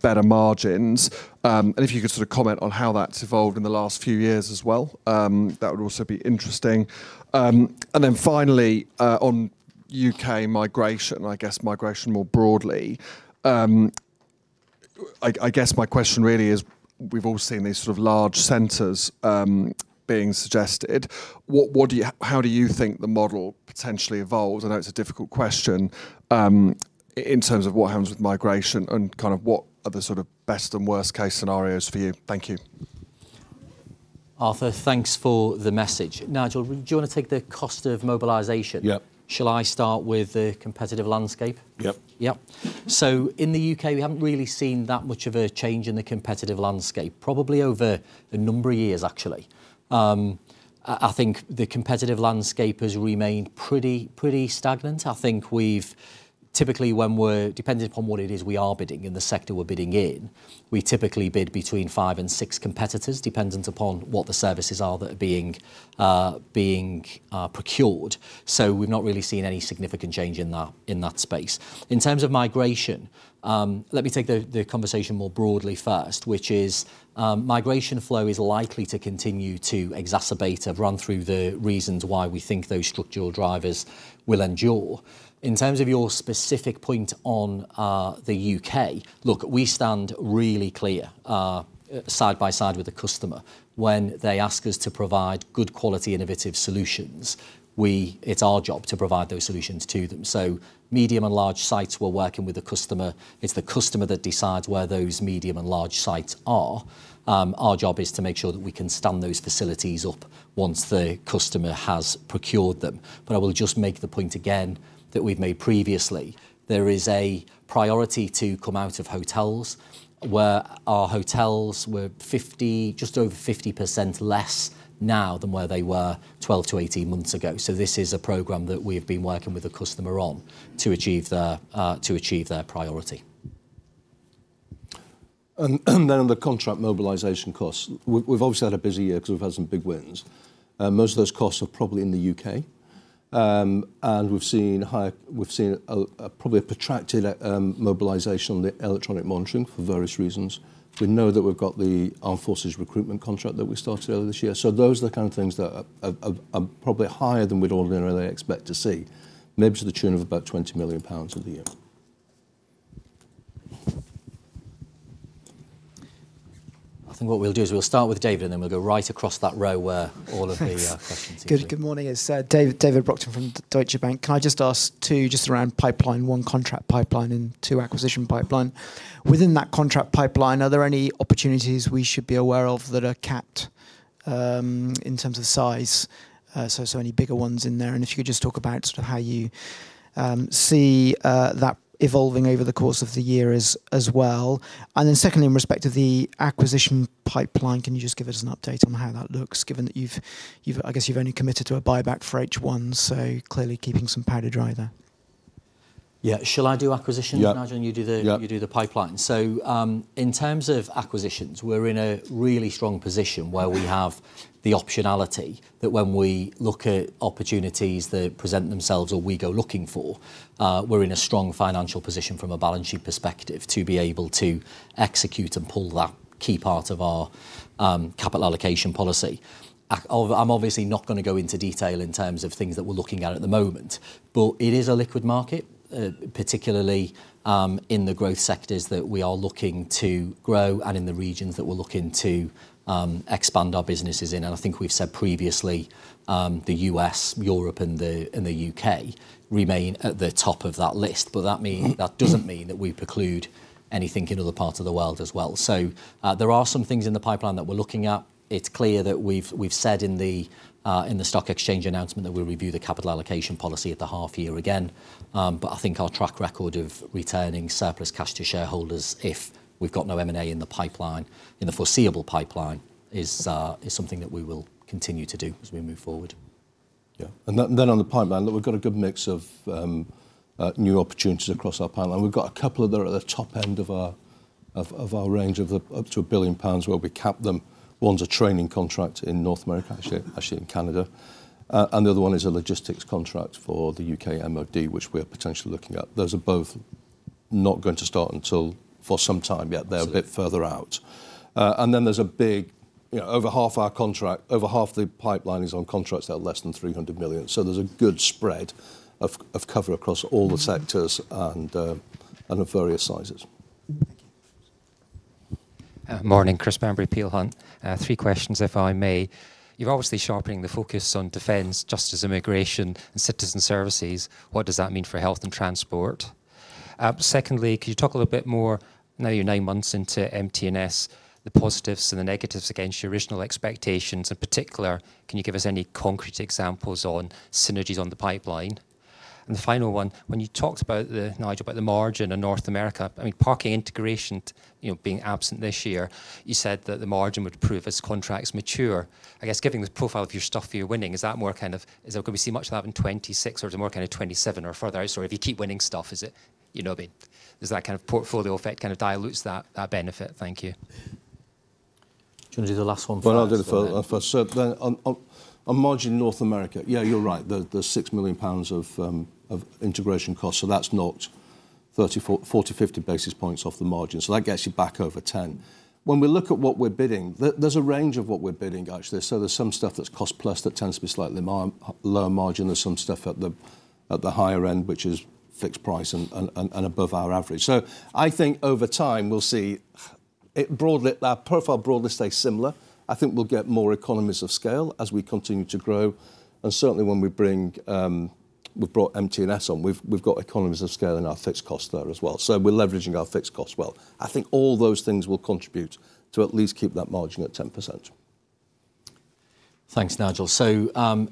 better margins. If you could sort of comment on how that's evolved in the last few years as well, that would also be interesting. Then finally, on U.K. migration, I guess migration more broadly. I guess my question really is, we've all seen these sort of large centers being suggested. How do you think the model potentially evolves? I know it's a difficult question, in terms of what happens with migration and kind of what are the sort of best and worst case scenarios for you. Thank you. Arthur, thanks for the message. Nigel, do you wanna take the cost of mobilization? Yep. Shall I start with the competitive landscape? Yep. Yep. In the U.K., we haven't really seen that much of a change in the competitive landscape, probably over a number of years, actually. I think the competitive landscape has remained pretty stagnant. Typically, depending upon what it is we are bidding and the sector we're bidding in, we typically bid between five and six competitors, dependent upon what the services are that are being procured. We've not really seen any significant change in that space. In terms of migration, let me take the conversation more broadly first, which is migration flow is likely to continue to exacerbate. I've run through the reasons why we think those structural drivers will endure. In terms of your specific point on the U.K., look, we stand really clear, side by side with the customer. When they ask us to provide good quality, innovative solutions, it's our job to provide those solutions to them. Medium and large sites, we're working with the customer. It's the customer that decides where those medium and large sites are. Our job is to make sure that we can stand those facilities up once the customer has procured them. I will just make the point again that we've made previously. There is a priority to come out of hotels, where our hotels were 50, just over 50% less now than where they were 12-18 months ago. This is a program that we have been working with the customer on to achieve their, to achieve their priority. On the contract mobilization costs, we've obviously had a busy year because we've had some big wins. Most of those costs are probably in the U.K. We've seen a protracted mobilization on the Electronic Monitoring for various reasons. We know that we've got the Armed Forces Recruiting Programme that we started earlier this year. Those are the kind of things that are probably higher than we'd ordinarily expect to see, maybe to the tune of about 20 million pounds for the year. I think what we'll do is we'll start with David, then we'll go right across that row where all of the- Thanks -questions are? Good morning. It's David Brockton from Deutsche Bank. Can I just ask two just around pipeline, one, contract pipeline, and two, acquisition pipeline. Within that contract pipeline, are there any opportunities we should be aware of that are capped in terms of size? Any bigger ones in there? If you could just talk about sort of how you see that evolving over the course of the year as well. Secondly, in respect to the acquisition pipeline, can you just give us an update on how that looks, given that I guess you've only committed to a buyback for H1, so clearly keeping some powder dry there. Yeah. Shall I do acquisition? Yeah Nigel, and you do- Yeah -you do the pipeline? In terms of acquisitions, we're in a really strong position where we have the optionality that when we look at opportunities that present themselves or we go looking for, we're in a strong financial position from a balance sheet perspective to be able to execute and pull that key part of our capital allocation policy. I'm obviously not gonna go into detail in terms of things that we're looking at at the moment, but it is a liquid market, particularly in the growth sectors that we are looking to grow and in the regions that we're looking to expand our businesses in. I think we've said previously, the U.S., Europe, and the U.K. remain at the top of that list. That doesn't mean that we preclude anything in other parts of the world as well. There are some things in the pipeline that we're looking at. It's clear that we've said in the stock exchange announcement that we'll review the capital allocation policy at the half year again. I think our track record of returning surplus cash to shareholders if we've got no M&A in the pipeline, in the foreseeable pipeline, is something that we will continue to do as we move forward. Yeah. Then on the pipeline, look, we've got a good mix of new opportunities across our pipeline. We've got a couple of that are at the top end of our range of the up to 1 billion pounds where we cap them. One's a training contract in North America, actually in Canada. The other one is a logistics contract for the U.K. MoD, which we are potentially looking at. Those are both not going to start until for some time yet. They're a bit further out. Then there's a big, you know, over half the pipeline is on contracts that are less than 300 million. There's a good spread of cover across all the sectors and of various sizes. Thank you. Morning. Chris Bamberry, Peel Hunt. Three questions, if I may. You're obviously sharpening the focus on defense, justice, immigration, and citizen services. What does that mean for health and transport? Secondly, could you talk a little bit more, now you're nine months into MT&S, the positives and the negatives against your original expectations? In particular, can you give us any concrete examples on synergies on the pipeline? The final one, when you talked about the, Nigel, about the margin in North America, I mean, parking integration, you know, being absent this year, you said that the margin would improve as contracts mature. I guess, given the profile of your stuff you're winning, is that more kind of, is it gonna be much of that in 2026, or is it more kind of 2027 or further out? Sorry, if you keep winning stuff, is it, you know, I mean, does that kind of portfolio effect dilutes that benefit? Thank you. Do you want to do the last one first? I'll do the first. On margin North America, yeah, you're right. The 6 million pounds of integration costs, that's not 34, 40, 50 basis points off the margin. That gets you back over 10%. When we look at what we're bidding, there's a range of what we're bidding, actually. There's some stuff that's cost-plus that tends to be slightly lower margin. There's some stuff at the higher end, which is fixed price and above our average. I think over time, we'll see it broadly, our profile broadly stay similar. I think we'll get more economies of scale as we continue to grow, and certainly when we bring, we've brought MT&S on, we've got economies of scale in our fixed costs there as well. We're leveraging our fixed costs well. I think all those things will contribute to at least keep that margin at 10%. Thanks, Nigel.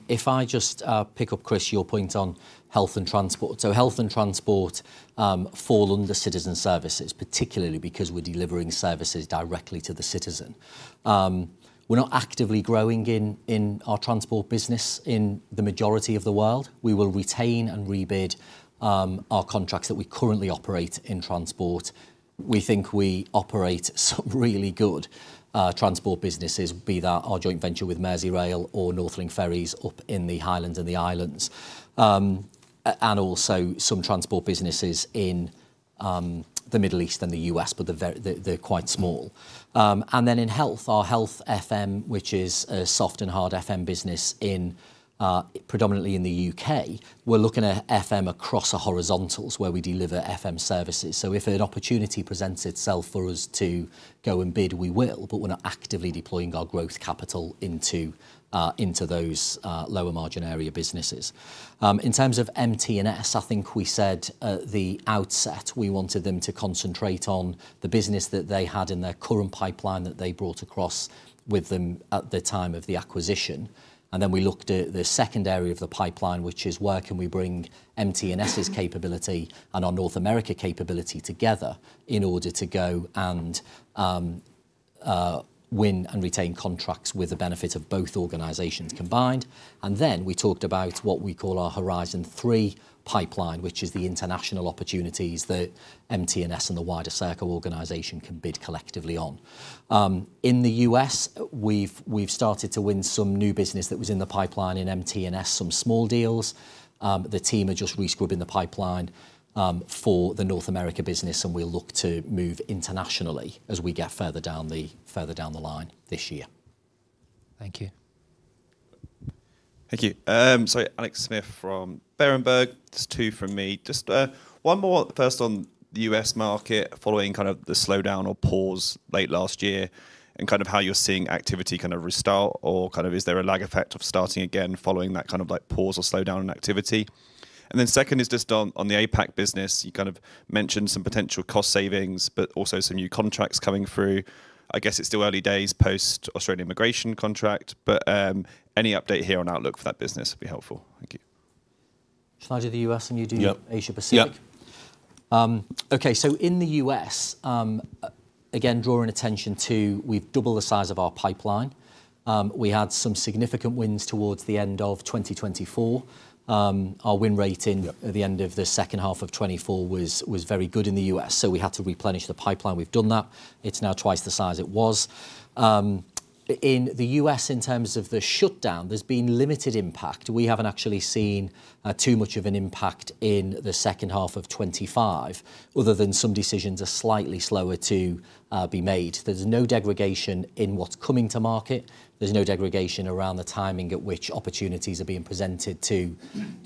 If I just pick up, Chris, your point on health and transport. Health and transport fall under citizen services, particularly because we're delivering services directly to the citizen. We're not actively growing in our transport business in the majority of the world. We will retain and rebid our contracts that we currently operate in transport. We think we operate some really good transport businesses, be that our joint venture with Merseyrail or NorthLink Ferries up in the Highlands and the Islands. And also some transport businesses in the Middle East and the U.S., but they're quite small. And then in health, our health FM, which is a soft and hard FM business in predominantly in the U.K., we're looking at FM across our horizontals where we deliver FM services. If an opportunity presents itself for us to go and bid, we will, but we're not actively deploying our growth capital into those lower margin area businesses. In terms of MT&S, I think we said at the outset we wanted them to concentrate on the business that they had in their current pipeline that they brought across with them at the time of the acquisition. We looked at the second area of the pipeline, which is where can we bring MT&S's capability and our North America capability together in order to go and win and retain contracts with the benefit of both organizations combined. We talked about what we call our Horizon three pipeline, which is the international opportunities that MT&S and the wider Serco organization can bid collectively on. In the U.S., we've started to win some new business that was in the pipeline in MT&S, some small deals. The team are just rescrubbing the pipeline for the North America business, and we'll look to move internationally as we get further down the line this year. Thank you. Thank you. Sorry, Alex Smith from Berenberg. Just two from me. Just one more first on the U.S. market following the slowdown or pause late last year and how you're seeing activity restart or is there a lag effect of starting again following that pause or slowdown in activity? Second is just on the APAC business. You mentioned some potential cost savings, but also some new contracts coming through. I guess it's still early days post Australian immigration contract, but any update here on outlook for that business would be helpful. Thank you. Shall I do the U.S. and you do- Yep -Asia Pacific? Yep. Okay. In the U.S., again, drawing attention to we've doubled the size of our pipeline. We had some significant wins towards the end of 2024. Our win rate at the end of the second half of 2024 was very good in the U.S., so we had to replenish the pipeline. We've done that. It's now twice the size it was. In the U.S., in terms of the shutdown, there's been limited impact. We haven't actually seen too much of an impact in the second half of 2025, other than some decisions are slightly slower to be made. There's no degradation in what's coming to market. There's no degradation around the timing at which opportunities are being presented to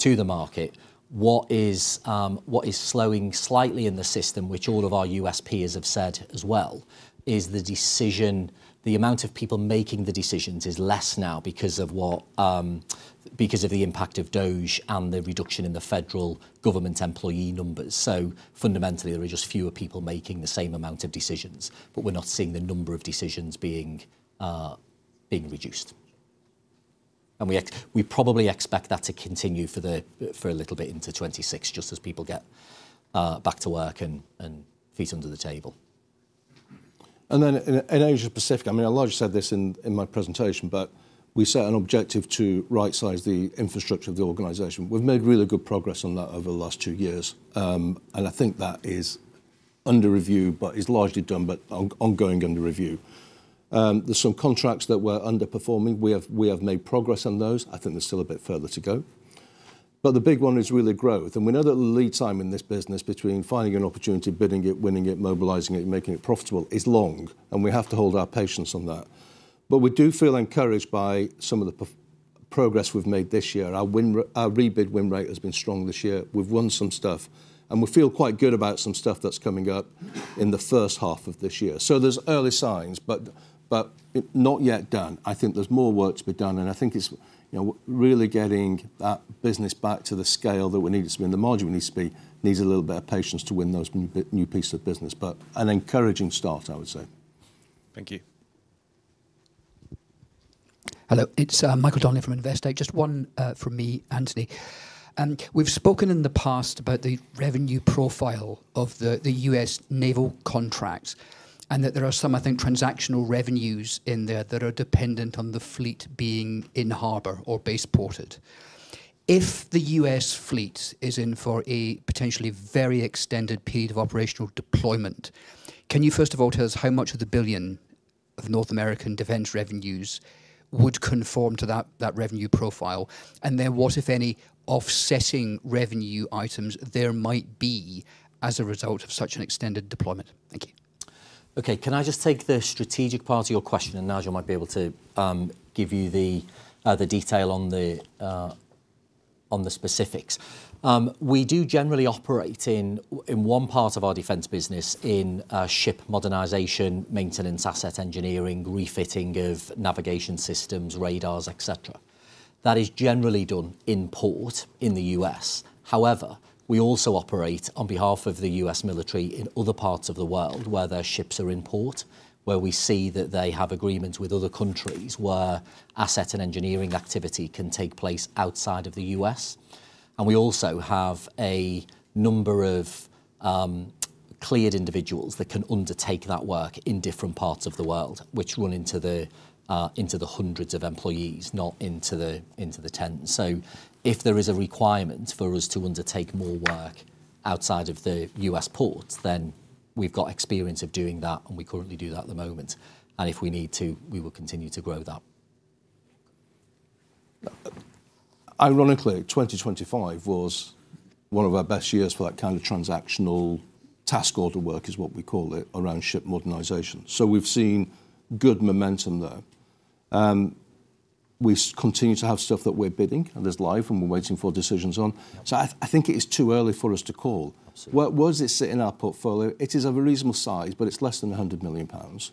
the market. What is, what is slowing slightly in the system, which all of our U.S. peers have said as well, is The amount of people making the decisions is less now because of what, because of the impact of DOJ and the reduction in the federal government employee numbers. Fundamentally, there are just fewer people making the same amount of decisions, but we're not seeing the number of decisions being reduced. We probably expect that to continue for a little bit into 2026, just as people get back to work and feet under the table. In, in Asia Pacific, I mean, I largely said this in my presentation, but we set an objective to rightsize the infrastructure of the organization. We've made really good progress on that over the last two years. I think that is under review, but is largely done, but on-ongoing under review. There's some contracts that were underperforming. We have made progress on those. I think there's still a bit further to go. The big one is really growth, and we know that the lead time in this business between finding an opportunity, bidding it, winning it, mobilizing it, and making it profitable is long, and we have to hold our patience on that. We do feel encouraged by some of the progress we've made this year. Our rebid win rate has been strong this year. We've won some stuff, and we feel quite good about some stuff that's coming up in the first half of this year. There's early signs, but it not yet done. I think there's more work to be done, and I think it's, you know, really getting that business back to the scale that we need it to be and the margin we need it to be needs a little bit of patience to win those new pieces of business. An encouraging start, I would say. Thank you. Hello. It's Michael Donnelly from Investec. Just one from me, Anthony. We've spoken in the past about the revenue profile of the U.S. naval contracts and that there are some, I think, transactional revenues in there that are dependent on the fleet being in harbor or base-ported. If the U.S. fleet is in for a potentially very extended period of operational deployment, can you first of all tell us how much of the $1 billion of North American defense revenues would conform to that revenue profile? Then what, if any, offsetting revenue items there might be as a result of such an extended deployment? Thank you. Okay. Can I just take the strategic part of your question, Nigel might be able to give you the detail on the specifics. We do generally operate in one part of our defense business in ship modernization, maintenance, asset engineering, refitting of navigation systems, radars, et cetera. That is generally done in port in the U.S. However, we also operate on behalf of the U.S. military in other parts of the world where their ships are in port, where we see that they have agreements with other countries where asset and engineering activity can take place outside of the U.S. We also have a number of cleared individuals that can undertake that work in different parts of the world, which run into the hundreds of employees, not into the tens. If there is a requirement for us to undertake more work outside of the U.S. ports, then we've got experience of doing that, and we currently do that at the moment. If we need to, we will continue to grow that. Ironically, 2025 was one of our best years for that kind of transactional task order work, is what we call it, around ship modernization. We continue to have stuff that we're bidding and is live and we're waiting for decisions on. I think it is too early for us to call. Absolutely. Where does it sit in our portfolio? It is of a reasonable size, but it's less than 100 million pounds,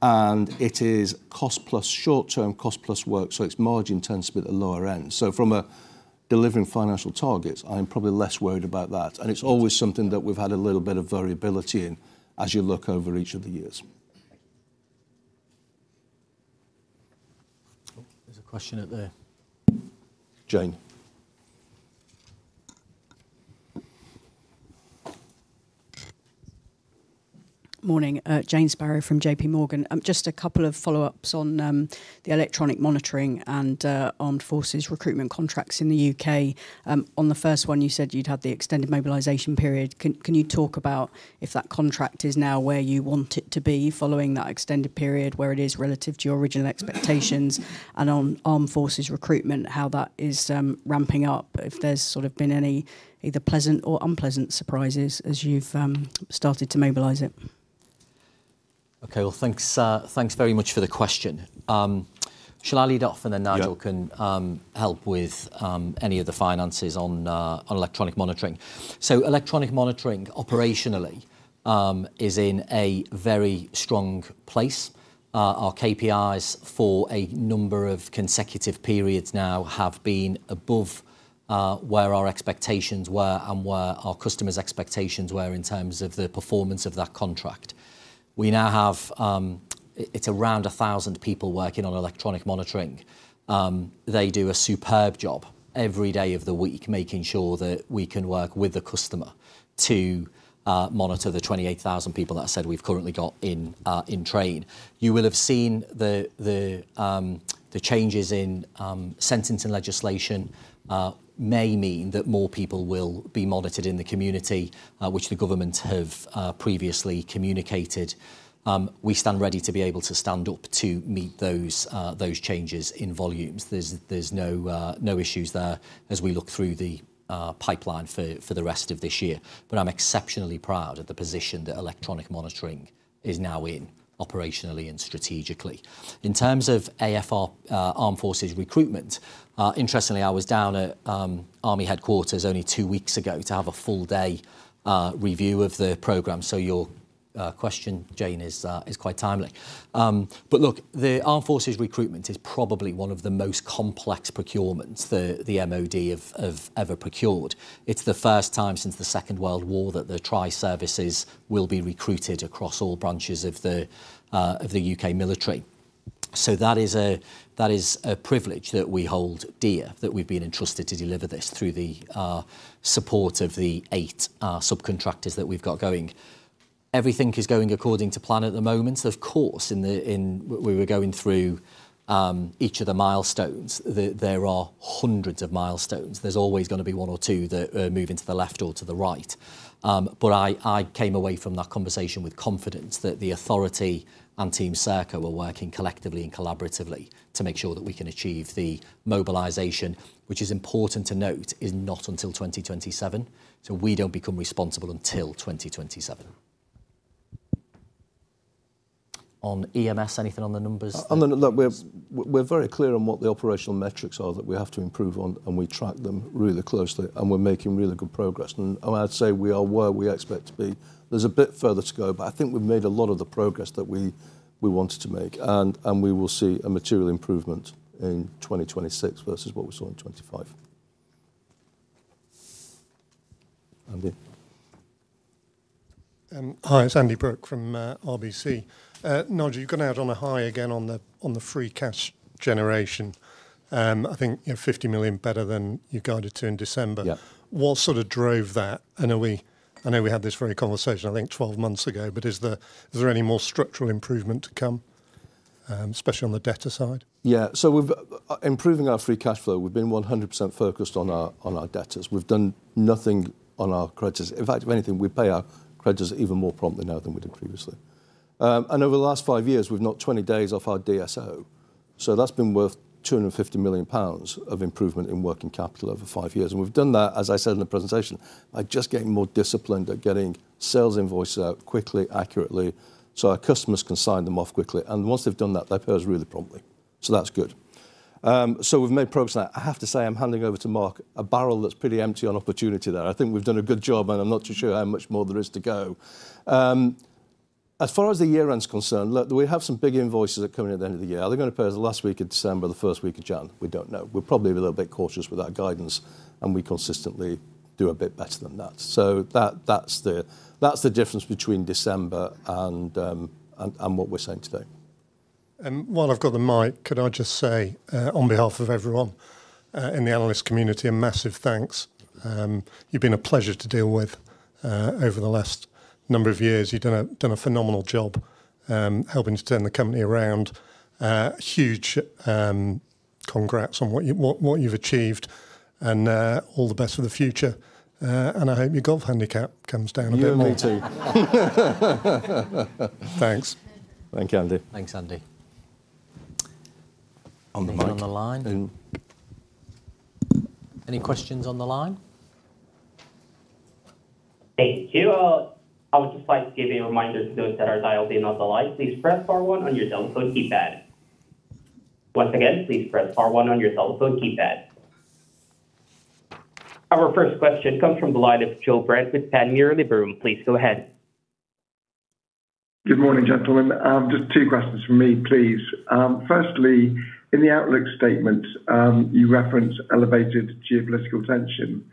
and it is cost-plus short-term, cost-plus work, so its margin tends to be at the lower end. From a delivering financial targets, I'm probably less worried about that, and it's always something that we've had a little bit of variability in as you look over each of the years. There's a question. Jane Morning. Jane Sparrow from JPMorgan. Just a couple of follow-ups on the Electronic Monitoring and armed forces recruitment contracts in the U.K.. On the first one, you said you'd had the extended mobilization period. Can you talk about if that contract is now where you want it to be following that extended period, where it is relative to your original expectations? On armed forces recruitment, how that is ramping up, if there's sort of been any either pleasant or unpleasant surprises as you've started to mobilize it. Okay. Well, thanks very much for the question. shall I lead off and- Yeah -Nigel can help with any of the finances on Electronic Monitoring? Electronic Monitoring operationally is in a very strong place. Our KPIs for a number of consecutive periods now have been above where our expectations were and where our customers' expectations were in terms of the performance of that contract. We now have, it's around 1,000 people working on Electronic Monitoring. They do a superb job every day of the week, making sure that we can work with the customer to monitor the 28,000 people that I said we've currently got in trade. You will have seen the changes in sentencing legislation may mean that more people will be monitored in the community, which the government have previously communicated. We stand ready to be able to stand up to meet those changes in volumes. There's no issues there as we look through the pipeline for the rest of this year. I'm exceptionally proud of the position that Electronic Monitoring is now in operationally and strategically. In terms of AFR, Armed Forces Recruiting Programme, interestingly, I was down at army headquarters only two weeks ago to have a full day review of the program. Your question, Jane, is quite timely. Look, the Armed Forces Recruiting Programme is probably one of the most complex procurements the MOD have ever procured. It's the first time since the Second World War that the tri-services will be recruited across all branches of the U.K. military. That is a privilege that we hold dear, that we've been entrusted to deliver this through the support of the eight subcontractors that we've got going. Everything is going according to plan at the moment. Of course, in the, we were going through each of the milestones. There are hundreds of milestones. There's always gonna be one or two that are moving to the left or to the right. I came away from that conversation with confidence that the authority and team Serco are working collectively and collaboratively to make sure that we can achieve the mobilization, which is important to note, is not until 2027. We don't become responsible until 2027. On EMS, anything on the numbers. Look, we're very clear on what the operational metrics are that we have to improve on, and we track them really closely, and we're making really good progress. I'd say we are where we expect to be. There's a bit further to go, but I think we've made a lot of the progress that we wanted to make, we will see a material improvement in 2026 versus what we saw in 2025. Andy. Hi, it's Andy Brooke from RBC. Nigel, you've gone out on a high again on the free cash generation. I think, you know, 50 million better than you guided to in December. Yeah. What sort of drove that? I know we had this very conversation, I think 12 months ago, is there any more structural improvement to come, especially on the debtor side? Yeah. We've improving our free cash flow, we've been 100% focused on our debtors. We've done nothing on our creditors. In fact, if anything, we pay our creditors even more promptly now than we did previously. Over the last 5 years, we've knocked 20 days off our DSO. That's been worth 250 million pounds of improvement in working capital over 5 years. We've done that, as I said in the presentation, by just getting more disciplined at getting sales invoices out quickly, accurately, so our customers can sign them off quickly. Once they've done that, they pay us really promptly. That's good. We've made progress there. I have to say, I'm handing over to Mark a barrel that's pretty empty on opportunity there. I think we've done a good job, and I'm not too sure how much more there is to go. As far as the year-end's concerned, look, we have some big invoices that are coming at the end of the year. They're gonna pay us the last week of December, the first week of January. We don't know. We're probably a little bit cautious with our guidance, and we consistently do a bit better than that. That's the difference between December and what we're saying today. While I've got the mic, could I just say on behalf of everyone in the analyst community, a massive thanks. You've been a pleasure to deal with over the last number of years. You've done a phenomenal job helping to turn the company around. Huge congrats on what you've achieved and all the best for the future. I hope your golf handicap comes down a bit more. You and me too. Thanks. Thank you, Andy. Thanks, Andy. On the mic. Anything on the line? Any questions on the line? Thank you. I would just like to give you a reminder to those that are dialed in on the line, please press star one on your telephone keypad. Once again, please press star one on your telephone keypad. Our first question comes from the line of Joe Brent with Panmure Gordon. Please go ahead. Good morning, gentlemen. Just two questions from me, please. Firstly, in the outlook statement, you reference elevated geopolitical tension,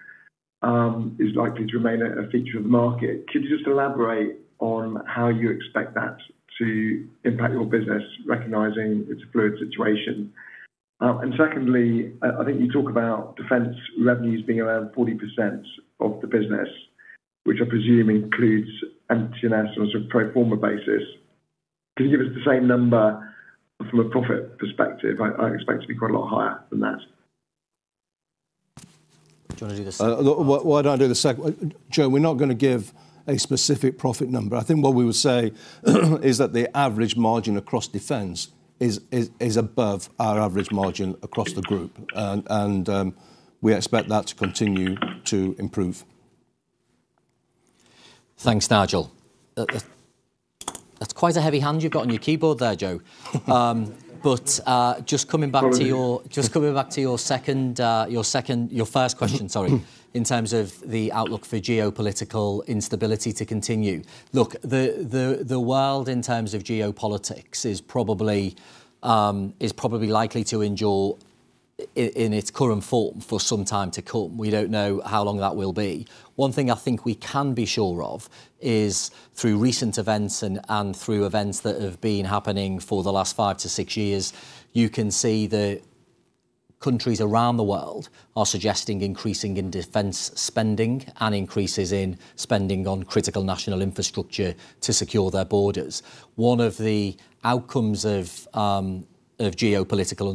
is likely to remain a feature of the market. Could you just elaborate on how you expect that to impact your business, recognizing it's a fluid situation? Secondly, I think you talk about defense revenues being around 40% of the business, which I presume includes MT&S on a sort of pro forma basis. Can you give us the same number from a profit perspective? I expect it to be quite a lot higher than that. Do you wanna do the second one? Why don't I do the second—Joe, we're not gonna give a specific profit number. I think what we would say is that the average margin across defense is above our average margin across the group. We expect that to continue to improve. Thanks, Nigel. That's quite a heavy hand you've got on your keyboard there, Joe. Sorry Just coming back to your second, your first question, sorry. In terms of the outlook for geopolitical instability to continue. Look, the world in terms of geopolitics is probably likely to endure in its current form for some time to come. We don't know how long that will be. One thing I think we can be sure of is through recent events and through events that have been happening for the last five to six years, you can see that countries around the world are suggesting increasing in defense spending and increases in spending on critical national infrastructure to secure their borders. One of the outcomes of geopolitical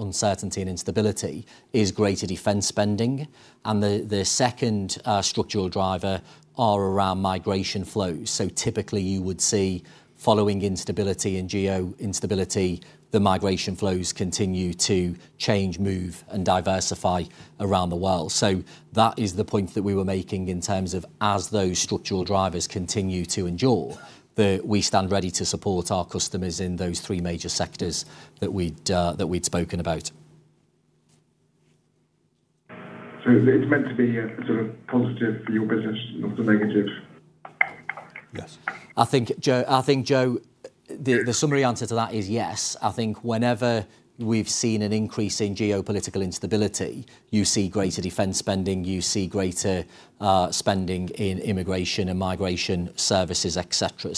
uncertainty and instability is greater defense spending, the second structural driver are around migration flows. Typically you would see following instability and geo-instability, the migration flows continue to change, move, and diversify around the world. That is the point that we were making in terms of as those structural drivers continue to endure, we stand ready to support our customers in those three major sectors that we'd spoken about. It's meant to be a sort of positive for your business, not a negative? Yes. I think, Joe, the summary answer to that is yes. I think whenever we've seen an increase in geopolitical instability, you see greater defense spending, you see greater spending in immigration and migration services, et cetera.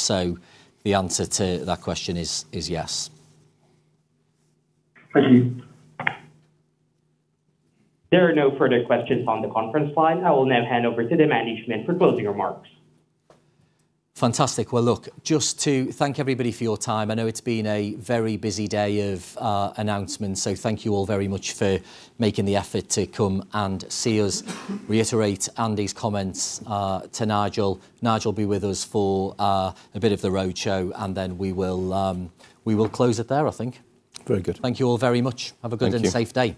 The answer to that question is yes. Thank you. There are no further questions on the conference line. I will now hand over to the management for closing remarks. Fantastic. Well, look, just to thank everybody for your time. I know it's been a very busy day of announcements, so thank you all very much for making the effort to come and see us. Reiterate Andy's comments to Nigel. Nigel will be with us for a bit of the roadshow, and then we will close it there, I think. Very good. Thank you all very much. Thank you. Have a good and safe day.